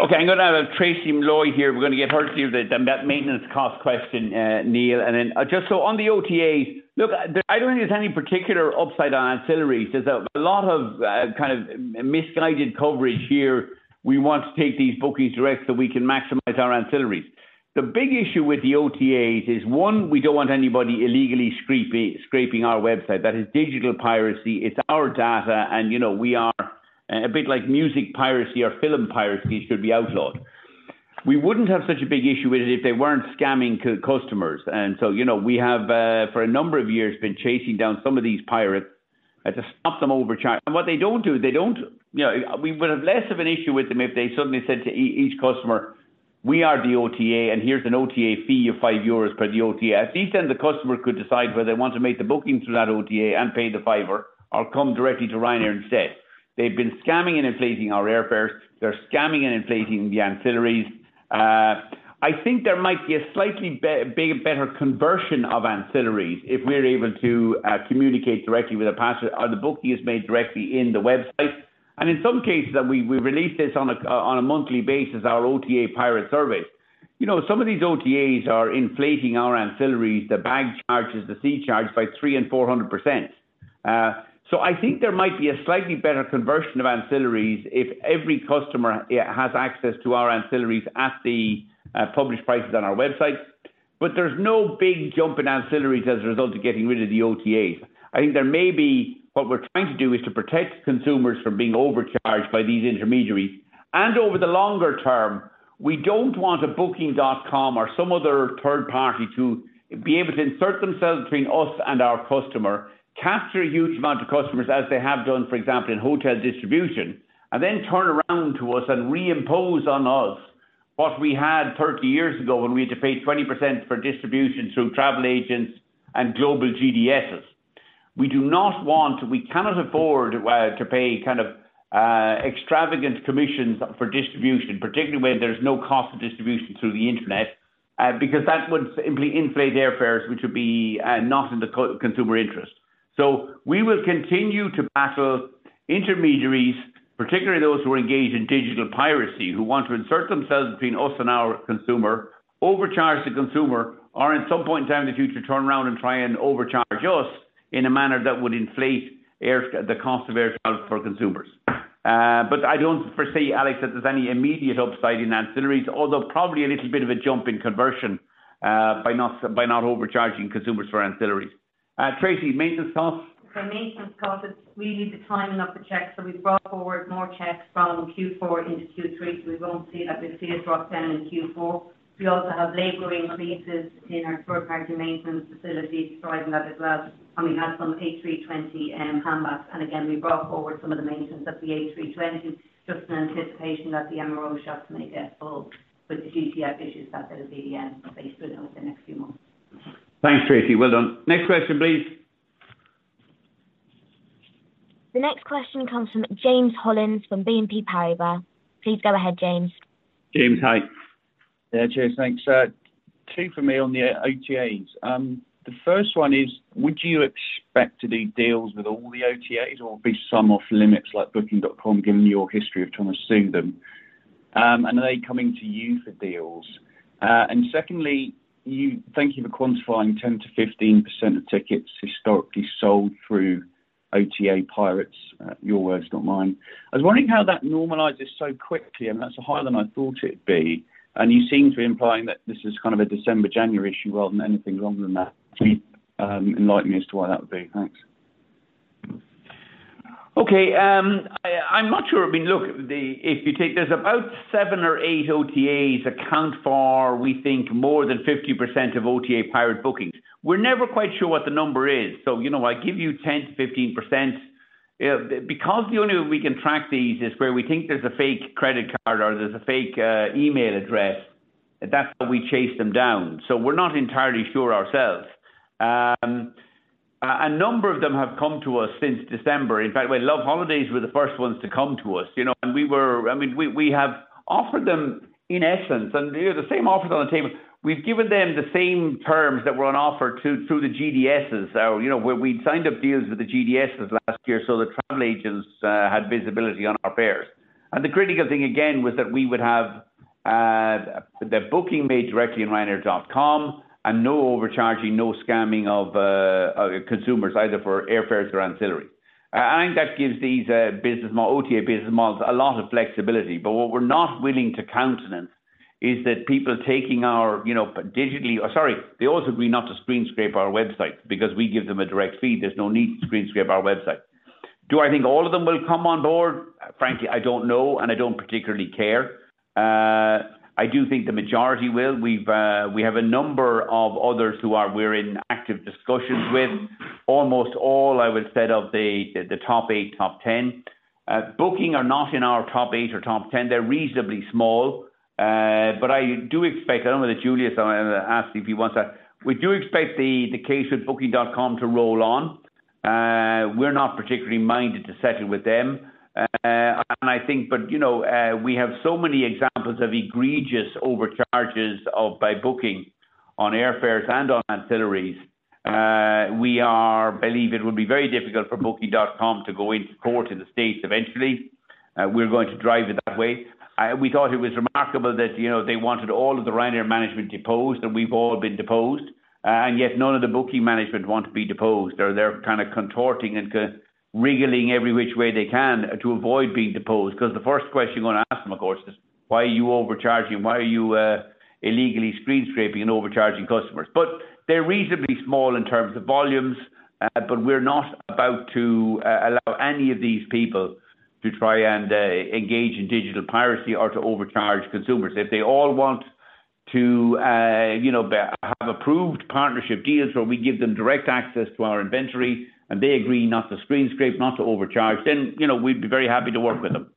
Okay, I'm going to have Tracey McCann here. We're going to get her to you the that maintenance cost question, Neil. And then, just so on the OTAs, look, I don't think there's any particular upside on ancillaries. There's a lot of kind of misguided coverage here. We want to take these bookings direct so we can maximize our ancillaries. The big issue with the OTAs is, one, we don't want anybody illegally scraping our website. That is digital piracy. It's our data, and, we are a bit like music piracy or film piracy should be outlawed. We wouldn't have such a big issue with it if they weren't scamming co-customers. And so we have, for a number of years, been chasing down some of these pirates, to stop them overcharging. And what they don't. We would have less of an issue with them if they suddenly said to each customer, "We are the OTA, and here's an OTA fee of 5 euros per the OTA." At least then the customer could decide whether they want to make the booking through that OTA and pay the fiver or come directly to Ryanair instead. They've been scamming and inflating our airfares. They're scamming and inflating the ancillaries. I think there might be a slightly bigger, better conversion of ancillaries if we're able to communicate directly with a passenger, or the booking is made directly in the website. In some cases, that we release this on a monthly basis, our OTA pirate surveys. You know, some of these OTAs are inflating our ancillaries, the bag charges, the seat charges by 300% and 400%. I think there might be a slightly better conversion of ancillaries if every customer has access to our ancillaries at the published prices on our website. But there's no big jump in ancillaries as a result of getting rid of the OTAs. I think there may be. What we're trying to do is to protect consumers from being overcharged by these intermediaries. Over the longer term, we don't want a Booking.com or some other third party to be able to insert themselves between us and our customer, capture a huge amount of customers, as they have done, for example, in hotel distribution, and then turn around to us and reimpose on us what we had 30 years ago, when we had to pay 20% for distribution through travel agents and global GDSs. We do not want, we cannot afford, to pay kind of extravagant commissions for distribution, particularly when there's no cost of distribution through the internet, because that would simply inflate the airfares, which would be not in the consumer interest. So we will continue to battle intermediaries, particularly those who are engaged in digital piracy, who want to insert themselves between us and our consumer, overcharge the consumer, or at some point in time in the future, turn around and try and overcharge us in a manner that would inflate the cost of air travel for consumers. But I don't foresee, Alex, that there's any immediate upside in ancillaries, although probably a little bit of a jump in conversion, by not overcharging consumers for ancillaries. Tracey, maintenance costs? For maintenance costs, it's really the timing of the checks, so we've brought forward more checks from Q4 into Q3, so we won't see that. We'll see a drop down in Q4. We also have labor increases in our third-party maintenance facilities, driving that as well. And we had some A320 handbacks. And again, we brought forward some of the maintenance of the A320 just in anticipation that the MRO shops may get full with the GTF issues that there will be at the end, based within the next few months. Thanks, Tracy. Well done. Next question, please. The next question comes from James Hollins from BNP Paribas. Please go ahead, James. James, hi. Yeah, James, thanks. Two for me on the OTAs. The first one is, would you expect to do deals with all the OTAs or be some off limits like Booking.com, given your history of trying to sue them? And are they coming to you for deals? And secondly, you, thank you for quantifying 10%-15% of tickets historically sold through OTA pirates, your words, not mine. I was wondering how that normalizes so quickly, and that's higher than I thought it'd be. And you seem to be implying that this is kind of a December-January issue, rather than anything longer than that. Can you enlighten me as to why that would be? Thanks. Okay, I'm not sure. If you take there's about 7 or 8 OTAs account for, we think more than 50% of OTA pirate bookings. We're never quite sure what the number is. I give you 10%-15%. because the only way we can track these is where we think there's a fake credit card or there's a fake email address, that's how we chase them down. So we're not entirely sure ourselves. A number of them have come to us since December. In fact, well, loveholidays were the first ones to come to us and we have offered them, in essence, and the same offers on the table. We've given them the same terms that were on offer to, through the GDSs. You know, where we'd signed up deals with the GDSs last year, so the travel agents had visibility on our fares. And the critical thing again was that we would have the booking made directly in Ryanair.com, and no overcharging, no scamming of consumers, either for airfares or ancillary. I think that gives these business OTA business models a lot of flexibility. But what we're not willing to countenance is that people taking our digitally. Sorry, they also agree not to screenscrape our website, because we give them a direct feed. There's no need to screenscrape our website. Do I think all of them will come on board? Frankly, I don't know, and I don't particularly care. I do think the majority will. We have a number of others who are in active discussions with, almost all, I would say, of the top eight, top ten. Booking.com are not in our top eight or top ten. They're reasonably small, but I do expect. I don't know whether Julius or anyone asked if he wants a. We do expect the case with Booking.com to roll on. We're not particularly minded to settle with them. And I think, but we have so many examples of egregious overcharges by Booking.com on airfares and on ancillaries. We believe it would be very difficult for Booking.com to go into court in the States eventually. We're going to drive it that way. We thought it was remarkable that they wanted all of the Ryanair management deposed, and we've all been deposed, and yet none of the Booking management want to be deposed. Or they're kind of contorting and wriggling every which way they can to avoid being deposed. 'Cause the first question you're gonna ask them, of course, is: Why are you overcharging? Why are you, illegally screen scraping and overcharging customers? But they're reasonably small in terms of volumes, but we're not about to, allow any of these people to try and, engage in digital piracy or to overcharge consumers. If they all want to have approved partnership deals where we give them direct access to our inventory, and they agree not to screen scrape, not to overcharge, then we'd be very happy to work with them.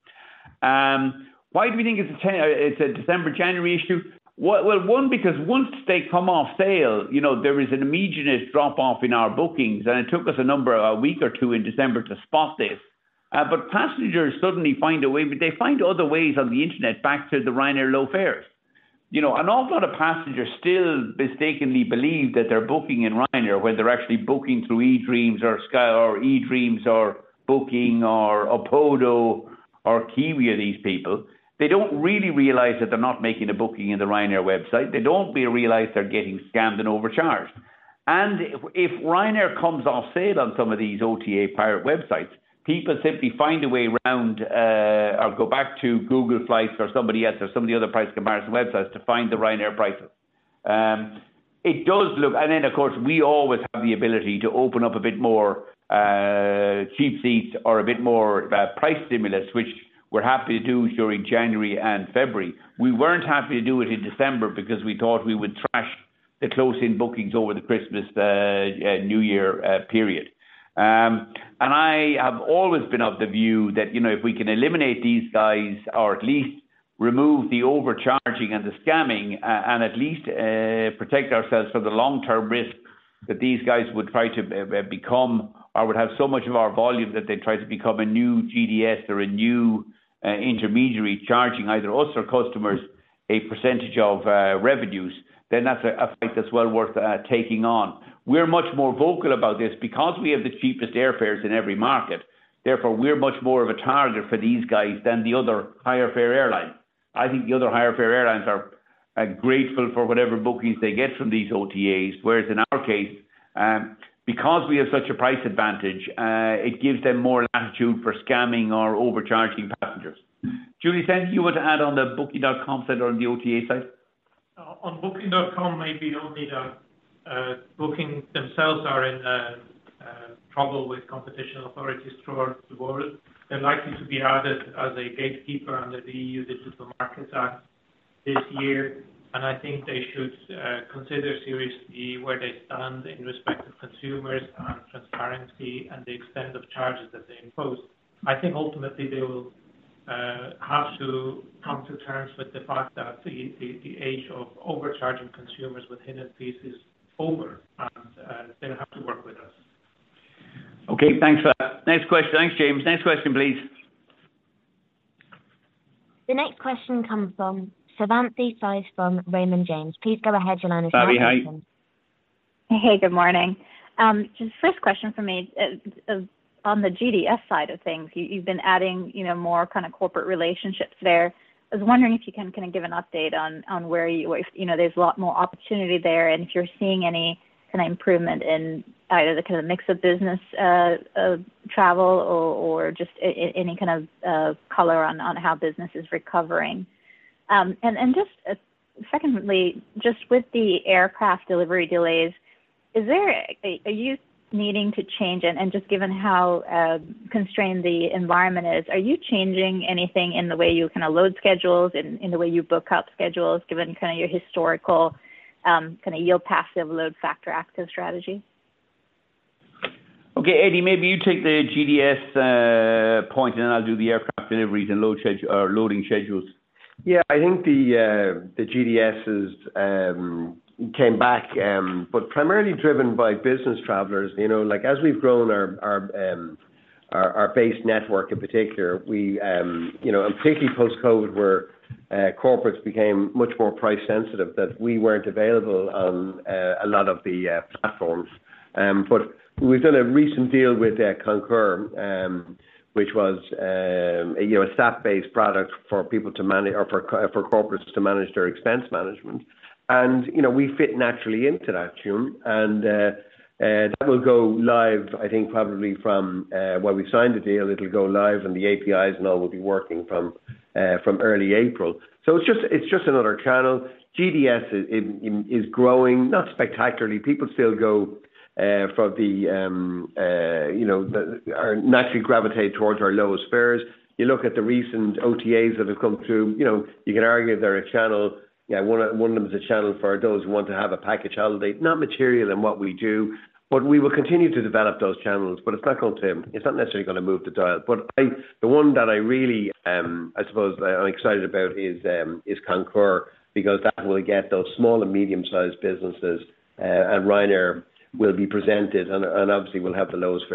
Why do we think it's a December, January issue? Well, one, because once they come off sale there is an immediate drop-off in our bookings, and it took us a week or two in December to spot this. But passengers suddenly find a way, they find other ways on the internet back to the Ryanair low fares. You know, and a lot of passengers still mistakenly believe that they're booking in Ryanair when they're actually booking through eDreams or eDreams or Booking or Opodo or Kiwi or these people. They don't really realize that they're not making a booking in the Ryanair website. They don't really realize they're getting scammed and overcharged. If Ryanair comes off sale on some of these OTA pirate websites, people simply find a way around, or go back to Google Flights or somebody else, or some of the other price comparison websites to find the Ryanair prices. It does look. And then, of course, we always have the ability to open up a bit more cheap seats or a bit more price stimulus, which we're happy to do during January and February. We weren't happy to do it in December because we thought we would trash the close-in bookings over the Christmas New Year period. And I have always been of the view that, you know, if we can eliminate these guys or at least remove the overcharging and the scamming, and at least protect ourselves from the long-term risk that these guys would try to become or would have so much of our volume that they try to become a new GDS or a new intermediary, charging either us or customers a percentage of revenues, then that's a fight that's well worth taking on. We're much more vocal about this because we have the cheapest airfares in every market. Therefore, we're much more of a target for these guys than the other higher-fare airlines. I think the other higher-fare airlines are grateful for whatever bookings they get from these OTAs. Whereas in our case, because we have such a price advantage, it gives them more latitude for scamming our overcharging passengers. Julius, anything you want to add on the Booking.com side or the OTA side? On Booking.com, maybe only that, Booking themselves are in trouble with competition authorities throughout the world. They're likely to be added as a gatekeeper under the EU Digital Markets Act this year, and I think they should consider seriously where they stand in respect to consumers on transparency and the extent of charges that they impose. I think ultimately they will have to come to terms with the fact that the age of overcharging consumers with hidden fees is over, and they'll have to work with us. Okay, thanks for that. Next question. Thanks, James. Next question, please. The next question comes from Savanthi Syth from Raymond James. Please go ahead, your line is open. Savanthi, hi. Hey, good morning. Just first question from me, on the GDS side of things, you've been adding, you know, more kind of corporate relationships there. I was wondering if you can, kind of, give an update on, on where there's a lot more opportunity there, and if you're seeing any kind of improvement in either the mix of business, travel or just any color on how business is recovering. And just, secondly, just with the aircraft delivery delays, is there, are you needing to change and, just given how, constrained the environment is, are you changing anything in the way you kind of load schedules, in the way you book out schedules, given kind of your historical kind of yield passive load factor active strategy? Okay, Eddie, maybe you take the GDS point, and then I'll do the aircraft deliveries and loading schedules. I think the GDS is came back, but primarily driven by business travelers. Like, as we've grown our base network in particular, we, you know, and particularly post-COVID, where corporates became much more price sensitive, that we weren't available on a lot of the platforms. But we've done a recent deal with Concur, which was, you know, a staff-based product for people to manage or for corporates to manage their expense management. And, you know, we fit naturally into that too. And that will go live, I think probably from, well, we've signed the deal, it'll go live and the APIs and all will be working from early April. So it's just another channel. GDS is growing, not spectacularly. People still go from the, you know, the or naturally gravitate towards our lowest fares. You look at the recent OTAs that have come through, you know, you can argue they're a channel. One of them is a channel for those who want to have a package holiday, not material in what we do, but we will continue to develop those channels. It's not necessarily going to move the dial. But the one that I really, I suppose I'm excited about is, is Concur, because that will get those small and medium-sized businesses, and Ryanair will be presented and obviously will have the lowest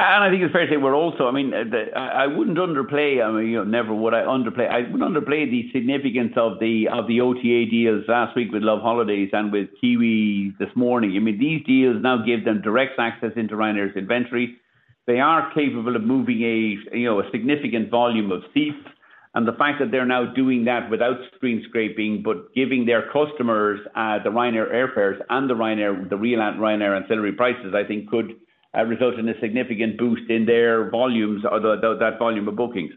fares. I think it's fair to say we're also I wouldn't underplay, never would I underplay the significance of the OTA deals last week with loveholidays and with Kiwi this morning. These deals now give them direct access into Ryanair's inventory. They are capable of moving a significant volume of seats. And the fact that they're now doing that without screen scraping, but giving their customers the Ryanair airfares and the Ryanair, the real Ryanair ancillary prices, I think could result in a significant boost in their volumes or the, that volume of bookings.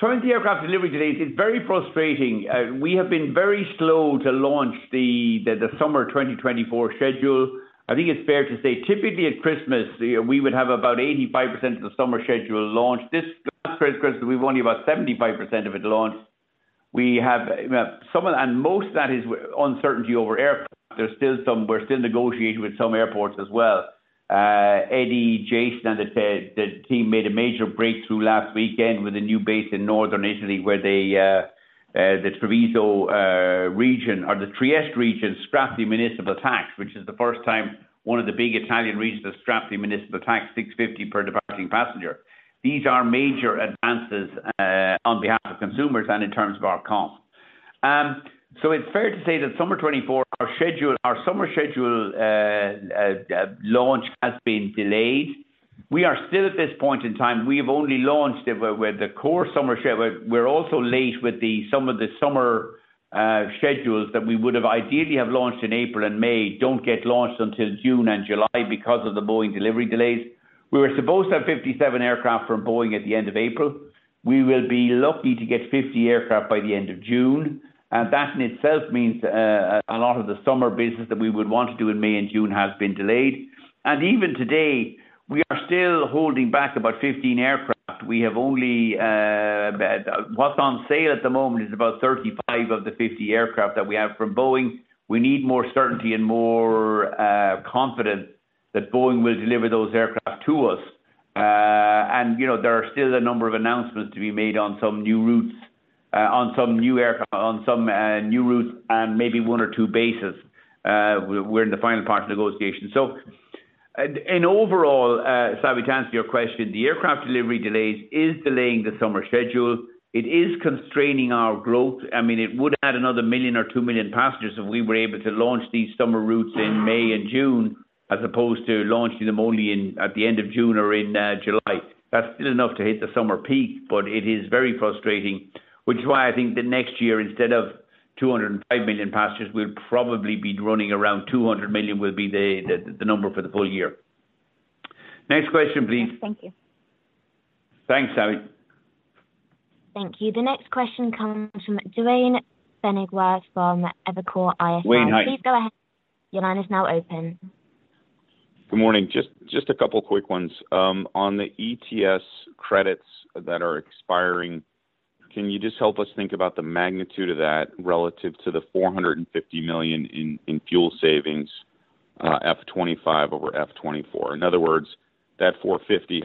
Turning to aircraft delivery delays, it's very frustrating. We have been very slow to launch the summer 2024 schedule. I think it's fair to say, typically at Christmas, we would have about 85% of the summer schedule launched. This Christmas, we've only about 75% of it launched. We have some of that and most of that is uncertainty over aircraft. We're still negotiating with some airports as well. Eddie, Jason, and the team made a major breakthrough last weekend with a new base in northern Italy, where they, the Treviso region or the Trieste region, scrapped the municipal tax, which is the first time one of the big Italian regions has scrapped the municipal tax, 6.50 per departing passenger. These are major advances on behalf of consumers and in terms of our cost. So it's fair to say that summer 2024, our schedule, our summer schedule, launch has been delayed. We are still at this point in time, we have only launched it with the core summer schedule. We're also late with the, some of the summer, schedules that we would have ideally have launched in April and May, don't get launched until June and July because of the Boeing delivery delays. We were supposed to have 57 aircraft from Boeing at the end of April. We will be lucky to get 50 aircraft by the end of June. And that in itself means, a lot of the summer business that we would want to do in May and June has been delayed. And even today, we are still holding back about 15 aircraft. We have only, what's on sale at the moment is about 35 of the 50 aircraft that we have from Boeing. We need more certainty and more confidence that Boeing will deliver those aircraft to us. And, you know, there are still a number of announcements to be made on some new routes, on some new aircraft, on some new routes and maybe one or two bases. We're in the final part of the negotiation. And overall, Savi, to answer your question, the aircraft delivery delays is delaying the summer schedule. It is constraining our growth. I mean, it would add another million or two million passengers if we were able to launch these summer routes in May and June, as opposed to launching them only in at the end of June or in July. That's still enough to hit the summer peak, but it is very frustrating, which is why I think the next year, instead of 205 million passengers, we'll probably be running around 200 million, will be the number for the full year. Next question, please. Thank you. Thanks, Savi. Thank you. The next question comes from Duane Pfennigwerth from Evercore ISI. Duane, hi. Please go ahead. Your line is now open. Good morning. Just, just a couple quick ones. On the ETS credits that are expiring, can you just help us think about the magnitude of that relative to the 450 million in, in fuel savings, FY 2025 over FY 2024? In other words, that 450.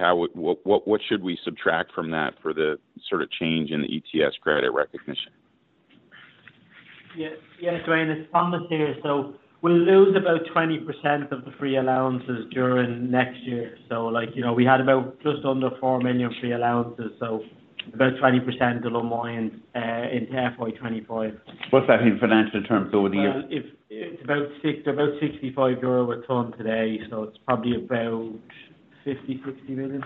What should we subtract from that for the sort of change in the ETS credit recognition? Yes Duane, it's Thomas here. So we'll lose about 20% of the free allowances during next year. So like, you know, we had about just under 4 million free allowances, so about 20% will unwind in FY 2025. What's that in financial terms? Well, if it's about 65 euro a ton today, so it's probably about 50 million to 60 million.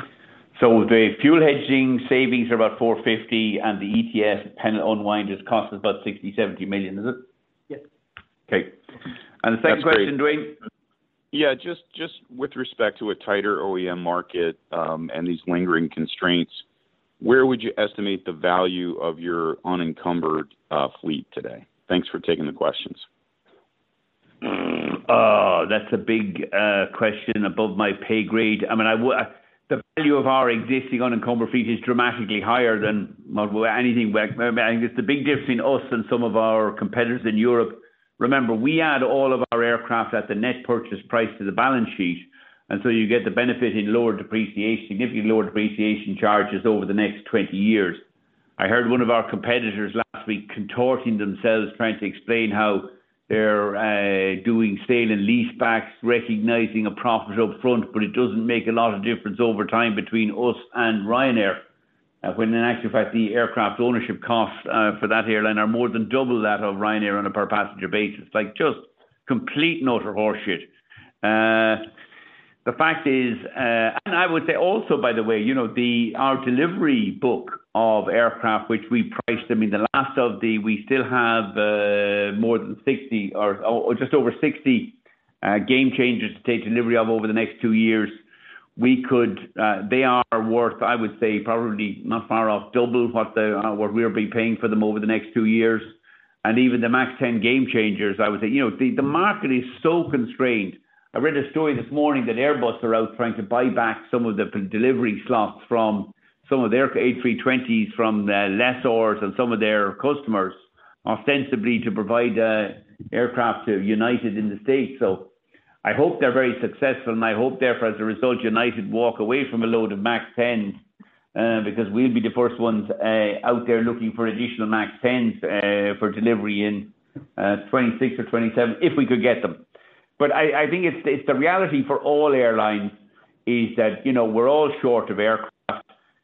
So the fuel hedging savings are about 450 million, and the ETS penalty unwind just costs about 60 million to 70 million, is it? That's great. The second question, Duane? Yeah, just, just with respect to a tighter OEM market, and these lingering constraints, where would you estimate the value of your unencumbered fleet today? Thanks for taking the questions. That's a big question above my pay grade. I mean, the value of our existing unencumbered fleet is dramatically higher than well, anything back. I think it's the big difference between us and some of our competitors in Europe. Remember, we add all of our aircraft at the net purchase price to the balance sheet, and so you get the benefit in lower depreciation, significantly lower depreciation charges over the next 20 years. I heard one of our competitors last week contorting themselves, trying to explain how they're doing sale and lease backs, recognizing a profit up front, but it doesn't make a lot of difference over time between us and Ryanair. When in actual fact, the aircraft ownership costs for that airline are more than double that of Ryanair on a per passenger basis, like, just complete and utter horseshit. And I would say also, by the way, you know, our delivery book of aircraft, which we priced them in the last of the, we still have more than 60 or just over 60 Gamechangers to take delivery of over the next two years. We could, they are worth, I would say, probably not far off double what we'll be paying for them over the next two years. And even the MAX 10 Gamechangers, I would say, you know, the market is so constrained. I read a story this morning that Airbus are out trying to buy back some of the pre-delivery slots from some of their A320s, from lessors and some of their customers, ostensibly to provide aircraft to United in the States. So I hope they're very successful, and I hope therefore, as a result, United walk away from a load of MAX 10s, because we'll be the first ones out there looking for additional MAX 10s for delivery in 2026 or 2027, if we could get them. But I think it's the reality for all airlines is that, you know, we're all short of aircraft.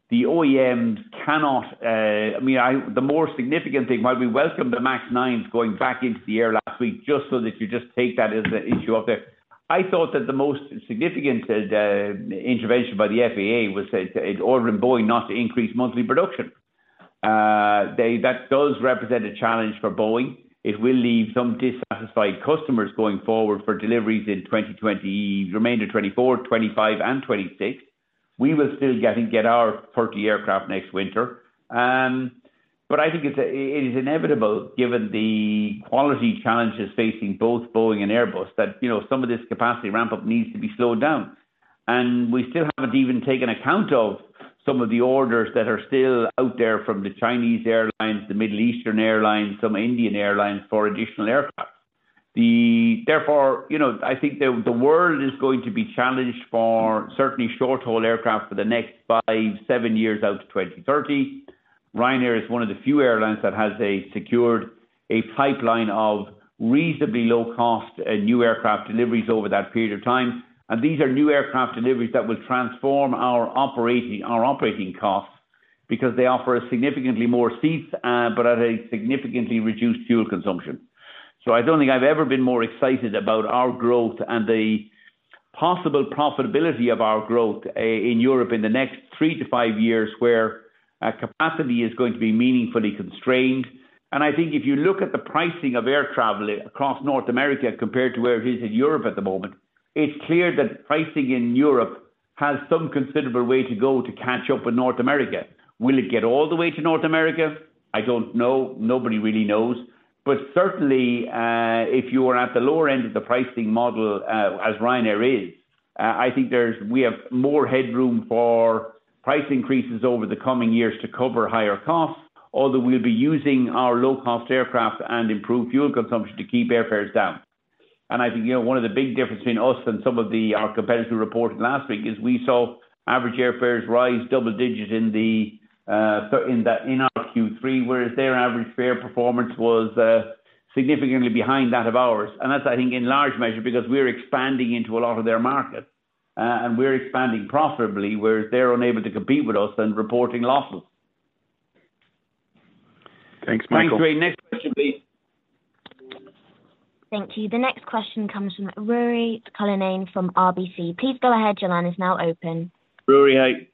The OEMs cannot, I mean, the more significant thing, while we welcome the MAX 9s going back into the air last week, just so that you just take that as an issue out there. I thought that the most significant intervention by the FAA was that it ordered Boeing not to increase monthly production. They, that does represent a challenge for Boeing. It will leave some dissatisfied customers going forward for deliveries in 2024, 2025 and 2026. We will still get our 30 aircraft next winter. But I think it is inevitable, given the quality challenges facing both Boeing and Airbus, that, you know, some of this capacity ramp up needs to be slowed down. And we still haven't even taken account of some of the orders that are still out there from the Chinese airlines, the Middle Eastern airlines, some Indian airlines, for additional aircraft. Therefore, you know, I think the world is going to be challenged for certainly short-haul aircraft for the next 5, 7 years out to 2030. Ryanair is one of the few airlines that has secured a pipeline of reasonably low cost new aircraft deliveries over that period of time. These are new aircraft deliveries that will transform our operating, our operating costs because they offer significantly more seats, but at a significantly reduced fuel consumption. So I don't think I've ever been more excited about our growth and the possible profitability of our growth, in Europe in the next three to five years, where capacity is going to be meaningfully constrained. I think if you look at the pricing of air travel across North America, compared to where it is in Europe at the moment, it's clear that pricing in Europe has some considerable way to go to catch up with North America. Will it get all the way to North America? I don't know. Nobody really knows. But certainly, if you are at the lower end of the pricing model, as Ryanair is, I think we have more headroom for price increases over the coming years to cover higher costs, although we'll be using our low-cost aircraft and improved fuel consumption to keep airfares down. And I think, you know, one of the big differences between us and some of our competitors who reported last week is we saw average airfares rise double digits in our Q3, whereas their average fare performance was significantly behind that of ours. And that's, I think, in large measure, because we're expanding into a lot of their markets and we're expanding profitably, whereas they're unable to compete with us and reporting losses. Thanks, Michael. Thanks, Marie. Next question, please. Thank you. The next question comes from Ruairi Cullinane from RBC. Please go ahead. Your line is now open. Ruairi, hi.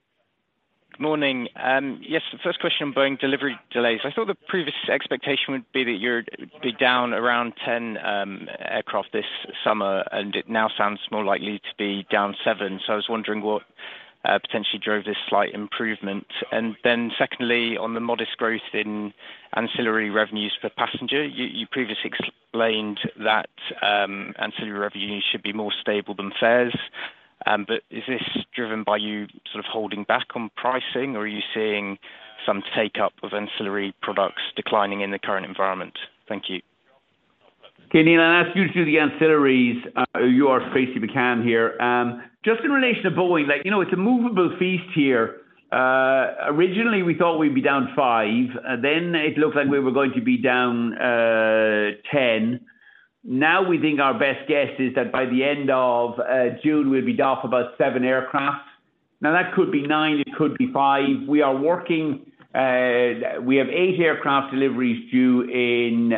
Good morning. Yes, the first question on Boeing delivery delays. I thought the previous expectation would be that you'd be down around 10 aircraft this summer, and it now sounds more likely to be down 7. So I was wondering what potentially drove this slight improvement? And then secondly, on the modest growth in ancillary revenues per passenger, you previously explained that ancillary revenues should be more stable than fares. But is this driven by you sort of holding back on pricing, or are you seeing some take-up of ancillary products declining in the current environment? Thank you. Okay, Neil, I'll ask you to do the ancillaries. You are basically cam here. Just in relation to Boeing it's a movable feast here. Originally, we thought we'd be down five. Then it looked like we were going to be down 10. Now, we think our best guess is that by the end of June, we'll be down for about seven aircraft. Now, that could be nine, it could be five. We are working. We have eight aircraft deliveries due in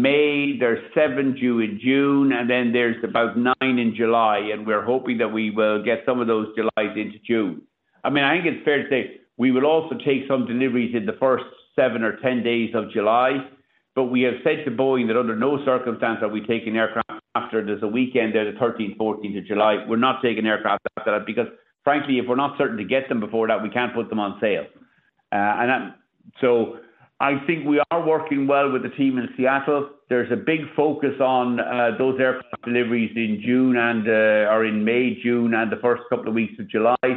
May, there's seven due in June, and then there's about nine in July, and we're hoping that we will get some of those Julys into June. I think it's fair to say, we will also take some deliveries in the first seven or 10 days of July, but we have said to Boeing that under no circumstance are we taking aircraft after there's a weekend. There's the 13th, 14th of July. We're not taking aircraft after that, because frankly, if we're not certain to get them before that, we can't put them on sale. So I think we are working well with the team in Seattle. There's a big focus on those aircraft deliveries in June and or in May, June, and the first couple of weeks of July.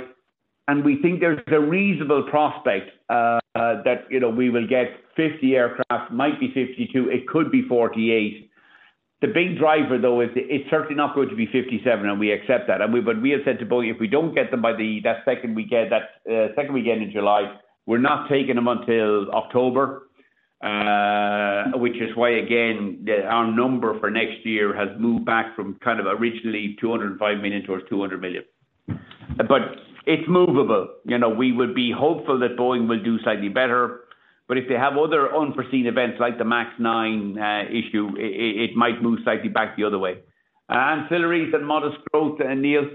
And we think there's a reasonable prospect that, you know, we will get 50 aircraft. Might be 52, it could be 48. The big driver, though, is it's certainly not going to be 57, and we accept that. But we have said to Boeing, if we don't get them by that second weekend in July, we're not taking them until October. Which is why, again, our number for next year has moved back from kind of originally 205 million towards 200 million. But it's movable. You know, we would be hopeful that Boeing will do slightly better, but if they have other unforeseen events like the MAX 9 issue, it might move slightly back the other way. Ancillaries and modest growth, and Neil?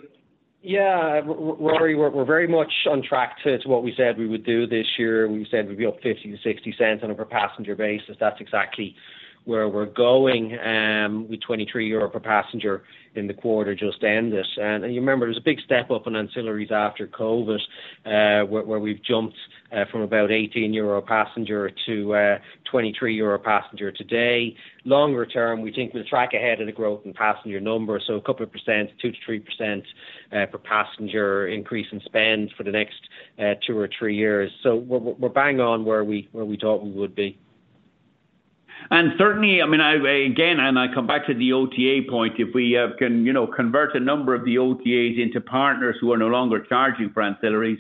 Ruairi, we're very much on track to what we said we would do this year. We said we'd be up 0.50-0.60 on a per passenger basis. That's exactly where we're going, with 23 euro per passenger in the quarter just ended. And you remember, there was a big step up on ancillaries after COVID, where we've jumped from about 18 euro a passenger to 23 euro a passenger today. Longer term, we think we'll track ahead of the growth in passenger numbers, so a couple of percent, 2%-3%, per passenger increase in spend for the next 2 or 3 years. So we're bang on where we thought we would be. And certainly, I mean, I, again, and I come back to the OTA point, if we, can, you know, convert a number of the OTAs into partners who are no longer charging for ancillaries,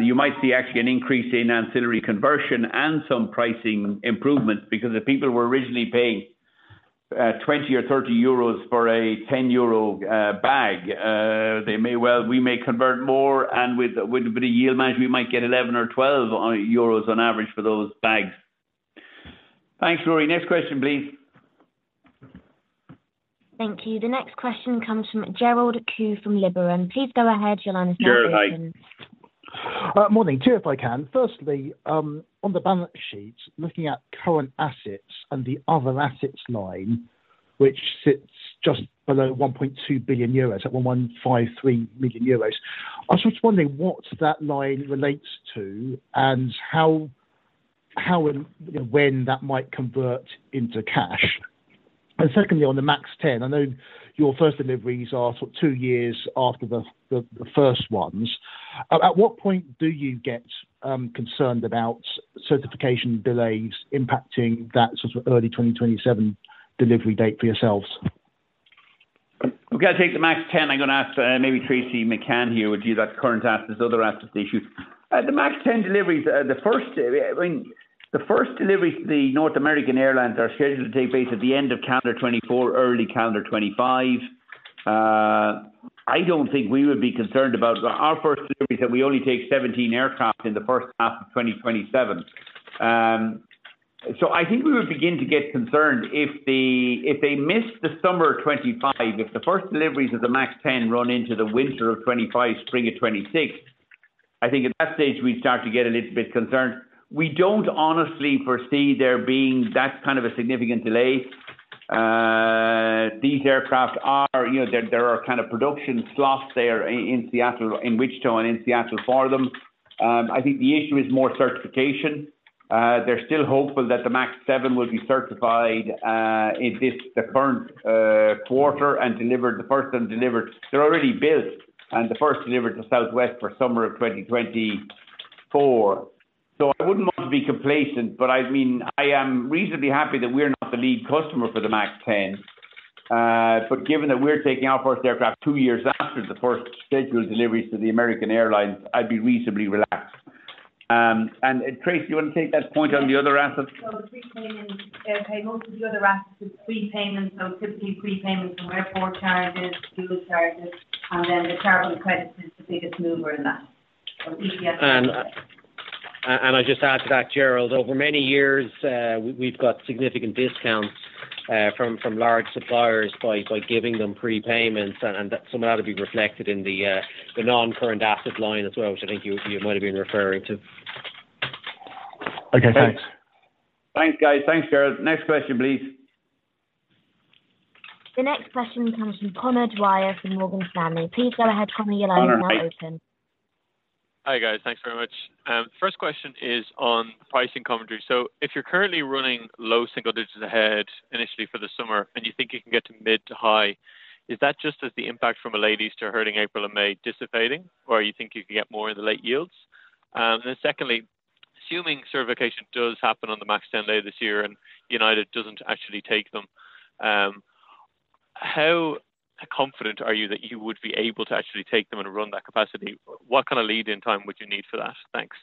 you might see actually an increase in ancillary conversion and some pricing improvements because the people who were originally paying, 20 or 30 euros for a 10-euro bag, they may well—we may convert more and with, with a bit of yield management, we might get 11 or 12 euros on average for those bags. Thanks, Ruairi. Next question, please. Thank you. The next question comes from Gerald Khoo, from Liberum. Please go ahead. Your line is now open. Morning. Two, if I can. Firstly, on the balance sheet, looking at current assets and the other assets line, which sits just below 1.2 billion euros, at 1,153 million euros. I was just wondering what that line relates to and how and when that might convert into cash? And secondly, on the MAX 10, I know your first deliveries are sort of two years after the first ones. At what point do you get concerned about certification delays impacting that sort of early 2027 delivery date for yourselves? We've got to take the MAX 10. I'm going to ask, maybe Tracey McCann here, will do, that current assets, other assets issues. The MAX 10 deliveries, the first delivery to the North American airlines are scheduled to take place at the end of calendar 2024, early calendar 2025. I don't think we would be concerned about our first delivery, that we only take 17 aircraft in the first half of 2027. So I think we would begin to get concerned if the, if they missed the summer of 2025, if the first deliveries of the MAX 10 run into the winter of 2025, spring of 2026, I think at that stage we'd start to get a little bit concerned. We don't honestly foresee there being that kind of a significant delay. These aircraft are, you know, there are kind of production slots there in Seattle, in Wichita and in Seattle for them. I think the issue is more certification. They're still hopeful that the MAX 7 will be certified in this, the current quarter, and delivered, the first one delivered. They're already built, and the first delivered to Southwest for summer of 2024. So I wouldn't want to be complacent, but I mean, I am reasonably happy that we're not the lead customer for the MAX 10. But given that we're taking our first aircraft two years after the first scheduled deliveries to American Airlines, I'd be reasonably relaxed. And Tracy, you want to take that point on the other assets? So the prepayment, okay, most of the other assets is prepayment, so typically prepayment from airport charges, fuel charges, and then the carbon credits is the biggest mover in that. And I just add to that, Gerald, over many years, we've got significant discounts from large suppliers by giving them prepayments, and some of that will be reflected in the non-current asset line as well, which I think you might have been referring to. Okay, thanks. Thanks, guys. Thanks, Gerald. Next question, please. The next question comes from Conor Dwyer, from Morgan Stanley. Please go ahead, Conor. Your line is now open. Hi, guys. Thanks very much. First question is on pricing commentary. So if you're currently running low single digits ahead, initially for the summer, and you think you can get to mid to high, is that just as the impact from a late Easter hurting April and May dissipating, or you think you can get more in the late yields? And then secondly, assuming certification does happen on the MAX 10 later this year, and United doesn't actually take them, how confident are you that you would be able to actually take them and run that capacity? What kind of lead-in time would you need for that? Thanks.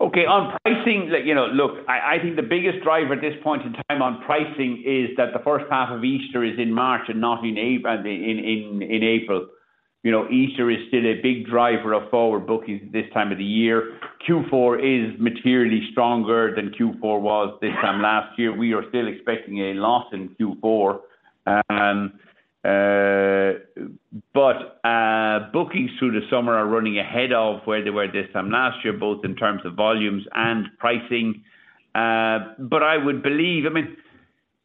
Okay. On pricing, I think the biggest driver at this point in time on pricing is that the first half of Easter is in March and not in April. Easter is still a big driver of forward bookings this time of the year. Q4 is materially stronger than Q4 was this time last year. We are still expecting a loss in Q4. But bookings through the summer are running ahead of where they were this time last year, both in terms of volumes and pricing. But I would believe,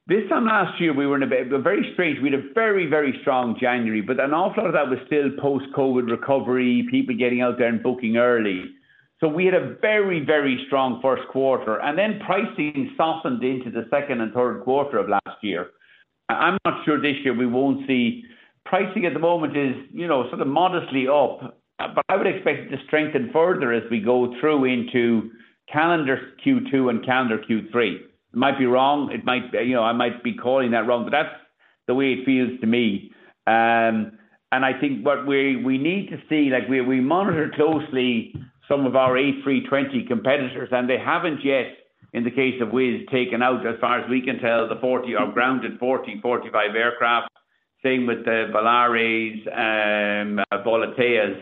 this time last year, we were in a very, very strange. We had a very, very strong January, but then a lot of that was still post-COVID recovery, people getting out there and booking early. So we had a very, very strong first quarter, and then pricing softened into the second and third quarter of last year. I'm not sure this year we won't see. Pricing at the moment is, you know, sort of modestly up, but I would expect it to strengthen further as we go through into calendar Q2 and calendar Q3. It might be wrong, it might be, I might be calling that wrong, but that's the way it feels to me. And I think what we, we need to see, like, we, we monitor closely some of our A320 competitors, and they haven't yet, in the case of Wizz, taken out, as far as we can tell, the 40 or grounded 40, 45 aircraft. Same with the Volaris, Volotea.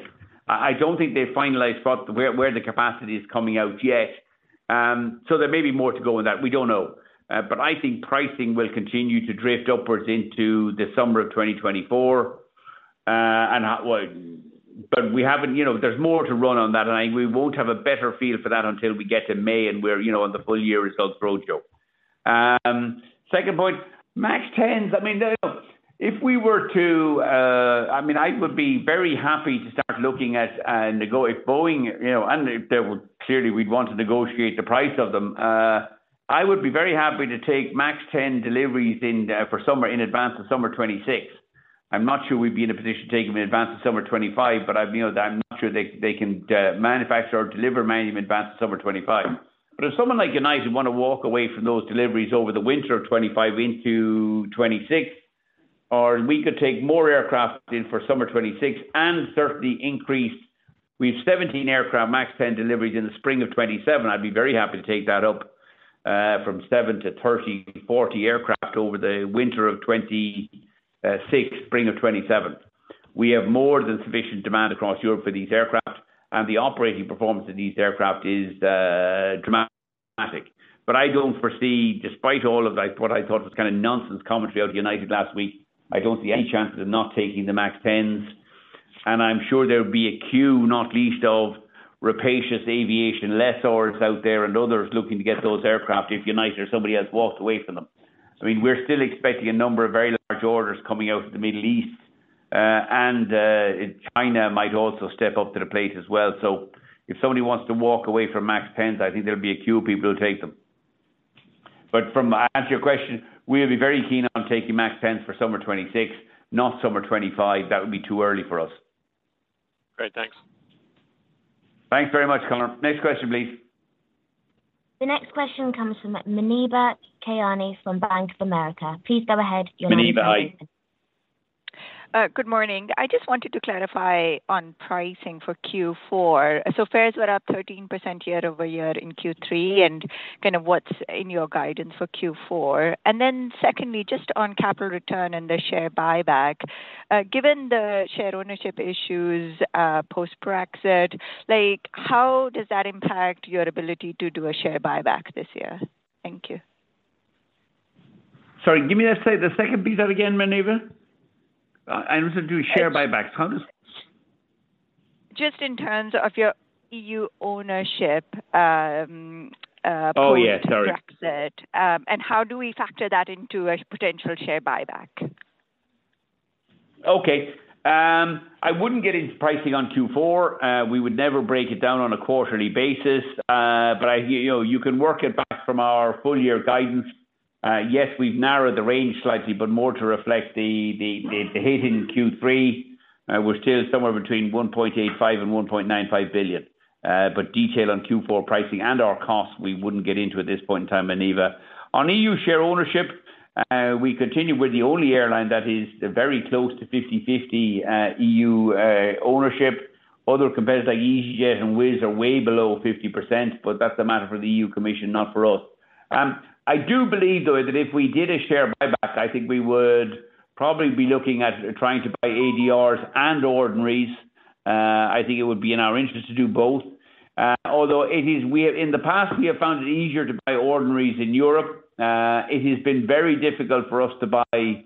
I don't think they've finalized spot where, where the capacity is coming out yet. So there may be more to go with that. We don't know. But I think pricing will continue to drift upwards into the summer of 2024. And, well, but we haven't there's more to run on that, and I think we won't have a better feel for that until we get to May and we're on the full year results roadshow. Second point, MAX 10s. If we were to, I would be very happy to start looking at if Boeing and if there were clearly we'd want to negotiate the price of them. I would be very happy to take MAX 10 deliveries in, for summer in advance of summer 2026. I'm not sure we'd be in a position to take them in advance of summer 2025, but I'm not sure they, they can manufacture or deliver many in advance of summer 2025. But if someone like United want to walk away from those deliveries over the winter of 2025 into 2026, or we could take more aircraft in for summer 2026 and certainly increase. We have 17 aircraft, MAX 10 deliveries in the spring of 2027. I'd be very happy to take that up from 7 to 30, 40 aircraft over the winter of 2026, spring of 2027. We have more than sufficient demand across Europe for these aircraft, and the operating performance of these aircraft is dramatic. But I don't foresee, despite all of that, what I thought was kind of nonsense commentary out of United last week. I don't see any chances of not taking the MAX 10s, and I'm sure there would be a queue, not least of rapacious aviation lessors out there and others looking to get those aircraft if United or somebody else walks away from them. I mean, we're still expecting a number of very large orders coming out of the Middle East, and China might also step up to the plate as well. So if somebody wants to walk away from MAX 10s, I think there'll be a queue of people who take them. But to answer your question, we'll be very keen on taking MAX 10s for summer 2026, not summer 2025. That would be too early for us. Great, thanks. Thanks very much, Connor. Next question, please. The next question comes from Muneeba Kayani from Bank of America. Please go ahead. Muneeba, hi. Good morning. I just wanted to clarify on pricing for Q4. So fares were up 13% year-over-year in Q3, and kind of what's in your guidance for Q4? And then secondly, just on capital return and the share buyback. Given the share ownership issues, post-Brexit, like, how does that impact your ability to do a share buyback this year? Thank you. Sorry, give me that. Say the second piece of that again, Muneeba. I listened to share buybacks. Just in terms of your EU ownership, post-Brexit, and how do we factor that into a potential share buyback? Okay. I wouldn't get into pricing on Q4. We would never break it down on a quarterly basis, but I hear you. You can work it back from our full year guidance. Yes, we've narrowed the range slightly, but more to reflect the hit in Q3. We're still somewhere between 1.85 billion and 1.95 billion. But detail on Q4 pricing and our costs, we wouldn't get into at this point in time, Muniba. On EU share ownership, we continue. We're the only airline that is very close to 50/50 EU ownership. Other competitors, like EasyJet and Wizz, are way below 50%, but that's a matter for the EU Commission, not for us. I do believe, though, that if we did a share buyback, I think we would probably be looking at trying to buy ADRs and ordinaries. I think it would be in our interest to do both. Although it is we have in the past, we have found it easier to buy ordinaries in Europe. It has been very difficult for us to buy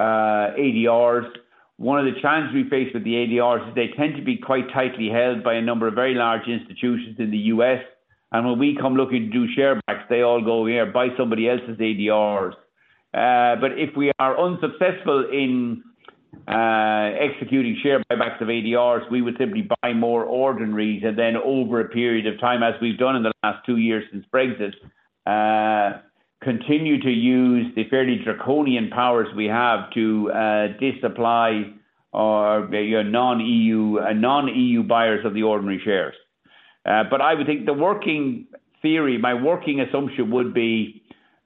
ADRs. One of the challenges we face with the ADRs is they tend to be quite tightly held by a number of very large institutions in the U.S., and when we come looking to do share buybacks, they all go: "Here, buy somebody else's ADRs." But if we are unsuccessful in executing share buybacks of ADRs, we would simply buy more ordinaries and then over a period of time, as we've done in the last two years since Brexit, continue to use the fairly draconian powers we have to disapply our non-EU and non-EU buyers of the ordinary shares. But I would think the working theory, my working assumption would be,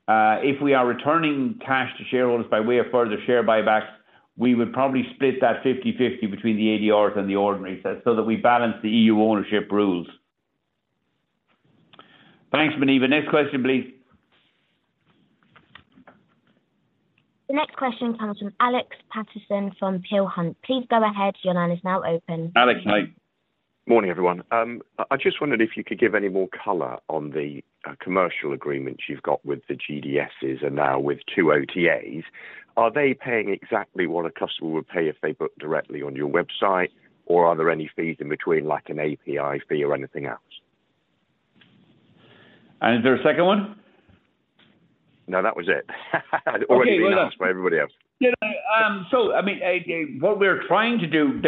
if we are returning cash to shareholders by way of further share buybacks, we would probably split that 50/50 between the ADRs and the ordinary, so that we balance the E.U. ownership rules. Thanks, Muneeba. Next question, please. The next question comes from Alex Paterson from Peel Hunt. Please go ahead. Your line is now open. Alex, hi. Morning, everyone. I just wondered if you could give any more color on the commercial agreements you've got with the GDSs and now with two OTAs. Are they paying exactly what a customer would pay if they book directly on your website, or are there any fees in between, like an API fee or anything else? Is there a second one? No, that was it. I'd already been asked by everybody else. What we're trying to do,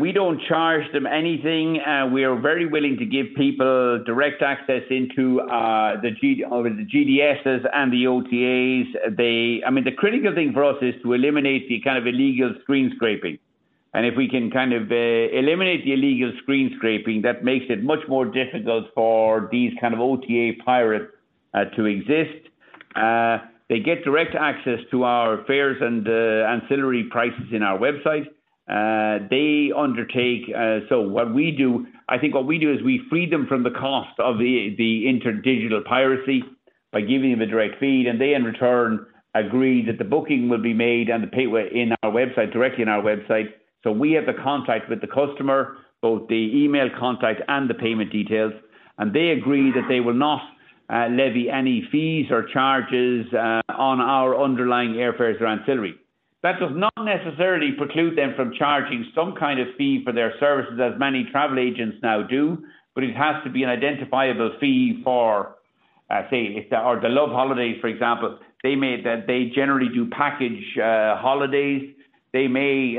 we don't charge them anything. We are very willing to give people direct access into the GDSs and the OTAs. The critical thing for us is to eliminate the kind of illegal screen scraping. And if we can kind of eliminate the illegal screen scraping, that makes it much more difficult for these kind of OTA pirates to exist. They get direct access to our fares and ancillary prices in our website. What we do, I think what we do is we free them from the cost of the, the digital piracy by giving them a direct feed, and they, in return, agree that the booking will be made and the payment in our website, directly in our website. So we have the contact with the customer, both the email contact and the payment details, and they agree that they will not levy any fees or charges on our underlying airfares or ancillary. That does not necessarily preclude them from charging some kind of fee for their services, as many travel agents now do, but it has to be an identifiable fee for, say, if the or, for example, they may, they generally do package holidays. They may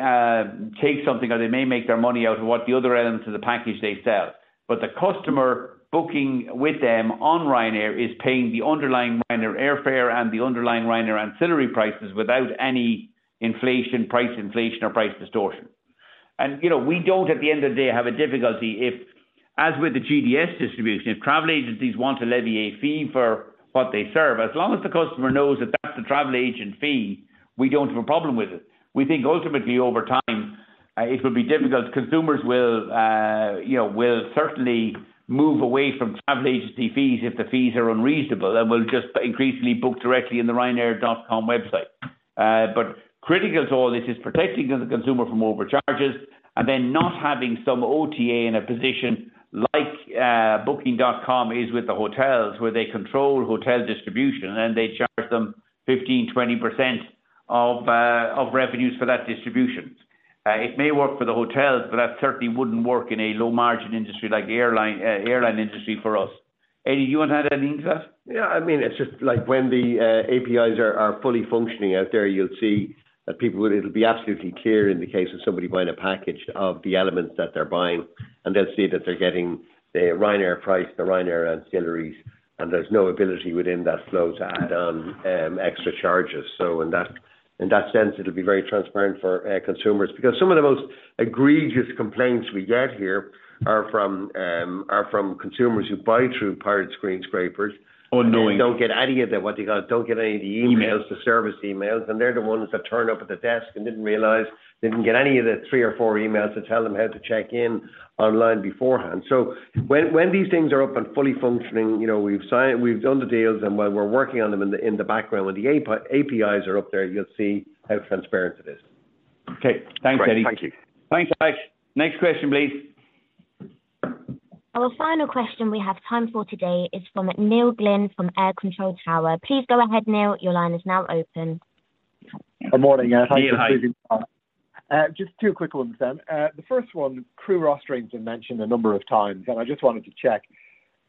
take something, or they may make their money out of what the other elements of the package they sell. But the customer booking with them on Ryanair is paying the underlying Ryanair airfare and the underlying Ryanair ancillary prices without any inflation, price inflation, or price distortion. And, you know, we don't, at the end of the day, have a difficulty if, as with the GDS distribution, if travel agencies want to levy a fee for what they serve, as long as the customer knows that that's a travel agent fee, we don't have a problem with it. We think ultimately, over time, it will be difficult. Consumers will certainly move away from travel agency fees if the fees are unreasonable and will just increasingly book directly in the Ryanair.com website. But critical to all this is protecting the consumer from overcharges and then not having some OTA in a position like Booking.com is with the hotels, where they control hotel distribution, and they charge them 15%-20% of revenues for that distribution. It may work for the hotels, but that certainly wouldn't work in a low-margin industry like airline industry for us. Eddie, you want to add anything to that? It's just like when the APIs are fully functioning out there, you'll see that people will, It'll be absolutely clear in the case of somebody buying a package of the elements that they're buying, and they'll see that they're getting the Ryanair price, the Ryanair ancillaries, and there's no ability within that flow to add on extra charges. So in that sense, it'll be very transparent for consumers because some of the most egregious complaints we get here are from consumers who buy through pirate screen scrapers and don't get any of the, what you call, don't get any of the emails. The service emails, and they're the ones that turn up at the desk and didn't realize they didn't get any of the three or four emails to tell them how to check in online beforehand. So when, when these things are up and fully functioning, you know, we've signed, we've done the deals, and while we're working on them in the, in the background, when the APIs are up there, you'll see how transparent it is. Okay. Thanks, Eddie. Great. Thank you. Thanks, guys. Next question, please. Our final question we have time for today is from Neil Glynn, from Air Control Tower. Please go ahead, Neil. Your line is now open. Good morning, and thank you for giving me time. Neil, hi. Just two quick ones then. The first one, crew rostering has been mentioned a number of times, and I just wanted to check.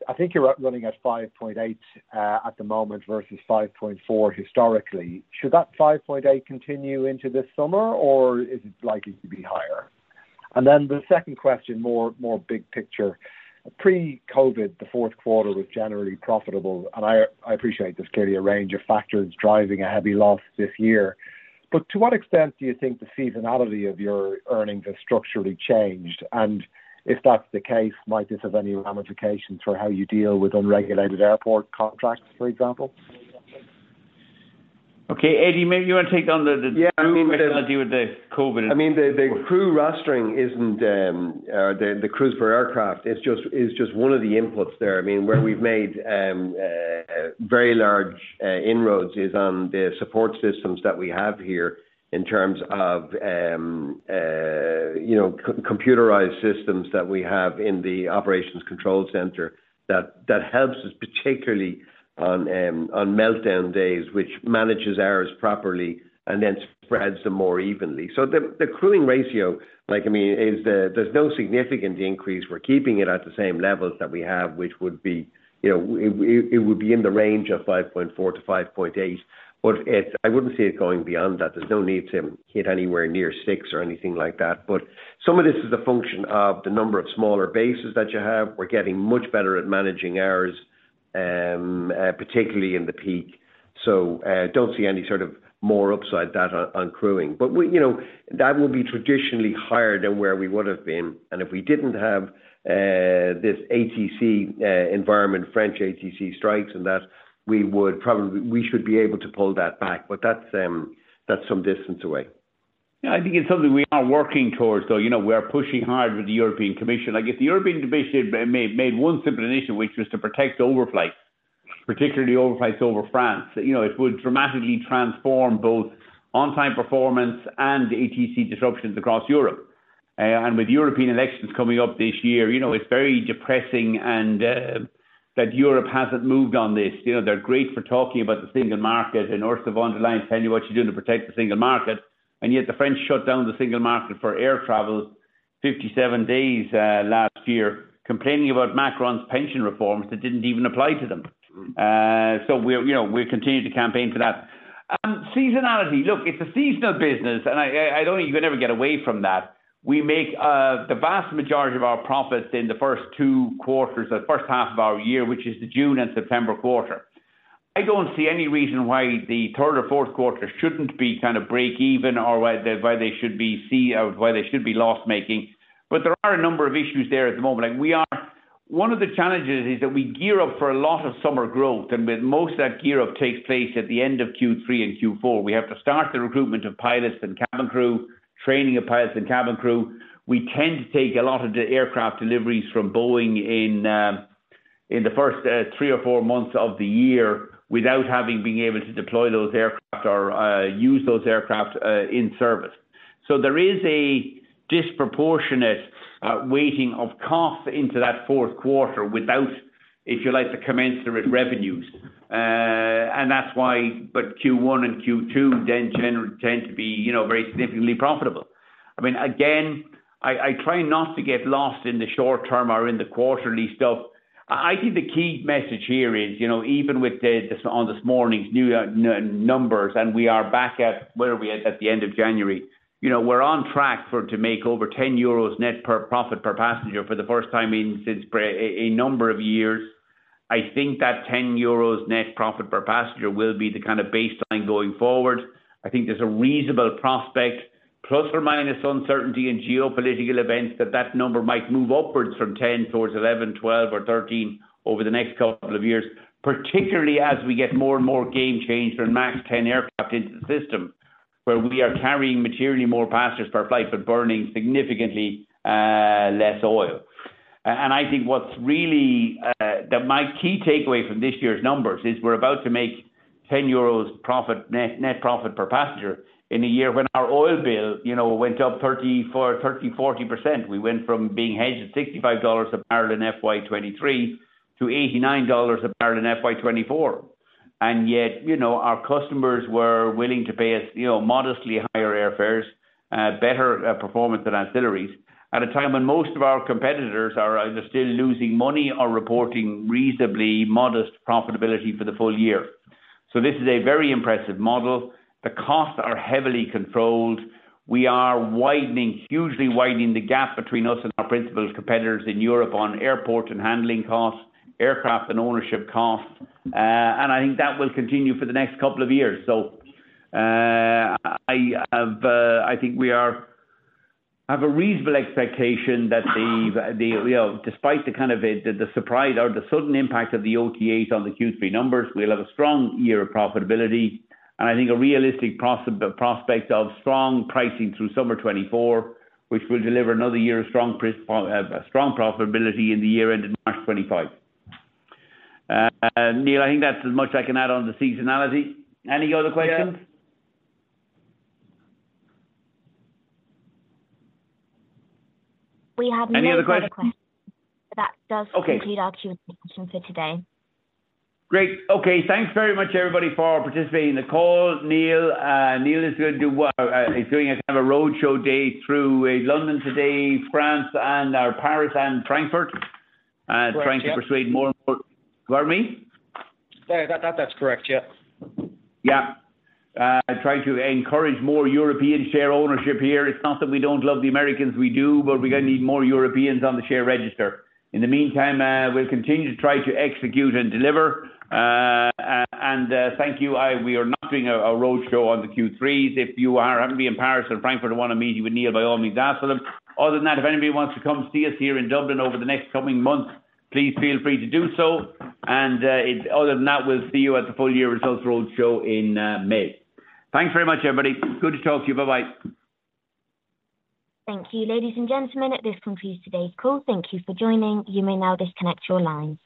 I think you're running at 5.8 at the moment versus 5.4 historically. Should that 5.8 continue into this summer, or is it likely to be higher? And then the second question, more big picture. Pre-COVID, the fourth quarter was generally profitable, and I appreciate there's clearly a range of factors driving a heavy loss this year. But to what extent do you think the seasonality of your earnings have structurally changed? And if that's the case, might this have any ramifications for how you deal with unregulated airport contracts, for example? Okay, Eddie, maybe you want to take on the crew rostering and deal with the COVID. I mean, the crew rostering isn't the crews per aircraft. It's just one of the inputs there. I mean where we've made very large inroads is on the support systems that we have here in terms of computerized systems that we have in the operations control center, that helps us particularly on meltdown days, which manages errors properly and then spreads them more evenly. So the crewing ratio, like, I mean, is. There's no significant increase. We're keeping it at the same levels that we have, which would be it would be in the range of 5.4-5.8, but it's. I wouldn't see it going beyond that. There's no need to hit anywhere near 6 or anything like that. But some of this is a function of the number of smaller bases that you have. We're getting much better at managing errors, particularly in the peak, so don't see any sort of more upside data on crewing. that will be traditionally higher than where we would have been. And if we didn't have this ATC environment, French ATC strikes, and that, we should be able to pull that back, but that's, that's some distance away. Yeah, I think it's something we are working towards, though we are pushing hard with the European Commission. Like, if the European Commission made one simple initiative, which was to protect overflights, particularly overflights over France it would dramatically transform both on-time performance and ATC disruptions across Europe. And with European elections coming up this year it's very depressing and that Europe hasn't moved on this. They're great for talking about the single market, and Ursula von der Leyen tell you what you're doing to protect the single market, and yet the French shut down the single market for air travel 57 days last year, complaining about Macron's pension reforms that didn't even apply to them. So we'll continue to campaign for that. Seasonality. Look, it's a seasonal business, and I don't think you're gonna ever get away from that. We make the vast majority of our profits in the first two quarters, the first half of our year, which is the June and September quarter. I don't see any reason why the third or fourth quarter shouldn't be kind of breakeven, or why they should be loss-making. But there are a number of issues there at the moment, and one of the challenges is that we gear up for a lot of summer growth, and with most of that gear up takes place at the end of Q3 and Q4. We have to start the recruitment of pilots and cabin crew, training of pilots and cabin crew. We tend to take a lot of the aircraft deliveries from Boeing in the first three or four months of the year without having been able to deploy those aircraft or use those aircraft in service. So there is a disproportionate weighting of costs into that fourth quarter without, if you like, the commensurate revenues. And that's why but Q1 and Q2 then tend to be very significantly profitable. I mean, again, I try not to get lost in the short term or in the quarterly stuff. I think the key message here is even with the, on this morning's new numbers, and we are back at, where are we at? At the end of January. You know, we're on track to make over 10 euros net per profit per passenger for the first time since a number of years. I think that 10 euros net profit per passenger will be the kind of baseline going forward. I think there's a reasonable prospect, plus or minus uncertainty in geopolitical events, that that number might move upwards from 10 towards 11, 12 or 13 over the next couple of years. Particularly, as we get more and more game changer and MAX 10 aircraft into the system, where we are carrying materially more passengers per flight, but burning significantly less oil. And I think what's really that my key takeaway from this year's numbers is we're about to make 10 euros profit, net, net profit per passenger in a year when our oil bill went up 30%-40%. We went from being hedged at $65 a barrel in FY 2023 to $89 a barrel in FY 2024. And yet our customers were willing to pay us modestly higher airfares, better performance than ancillaries, at a time when most of our competitors are either still losing money or reporting reasonably modest profitability for the full year. So this is a very impressive model. The costs are heavily controlled. We are widening, hugely widening the gap between us and our principal competitors in Europe on airport and handling costs, aircraft and ownership costs. And I think that will continue for the next couple of years. I think we have a reasonable expectation that, you know, despite the surprise or the sudden impact of the OTAs on the Q3 numbers, we'll have a strong year of profitability. And I think a realistic prospect of strong pricing through summer 2024, which will deliver another year of strong profitability in the year ending March 2025. Neil, I think that's as much as I can add on the seasonality. Any other questions? We have no further questions. Any other questions? That does conclude our Q&A session for today. Great. Okay. Thanks very much, everybody, for participating in the call. Neil, Neil is going to do what? He's doing a kind of a roadshow day through, London today, France and, Paris and Frankfurt trying to persuade more and more, pardon me? Try to encourage more European share ownership here. It's not that we don't love the Americans, we do, but we're gonna need more Europeans on the share register. In the meantime, we'll continue to try to execute and deliver. Thank you. We are not doing a roadshow on the Q3s. If you are happening to be in Paris or Frankfurt and want to meet with Neil, by all means, ask for him. Other than that, if anybody wants to come see us here in Dublin over the next coming months, please feel free to do so. If not, we'll see you at the full-year results roadshow in May. Thanks very much, everybody. Good to talk to you. Bye-bye. Thank you, ladies and gentlemen. This concludes today's call. Thank you for joining. You may now disconnect your lines.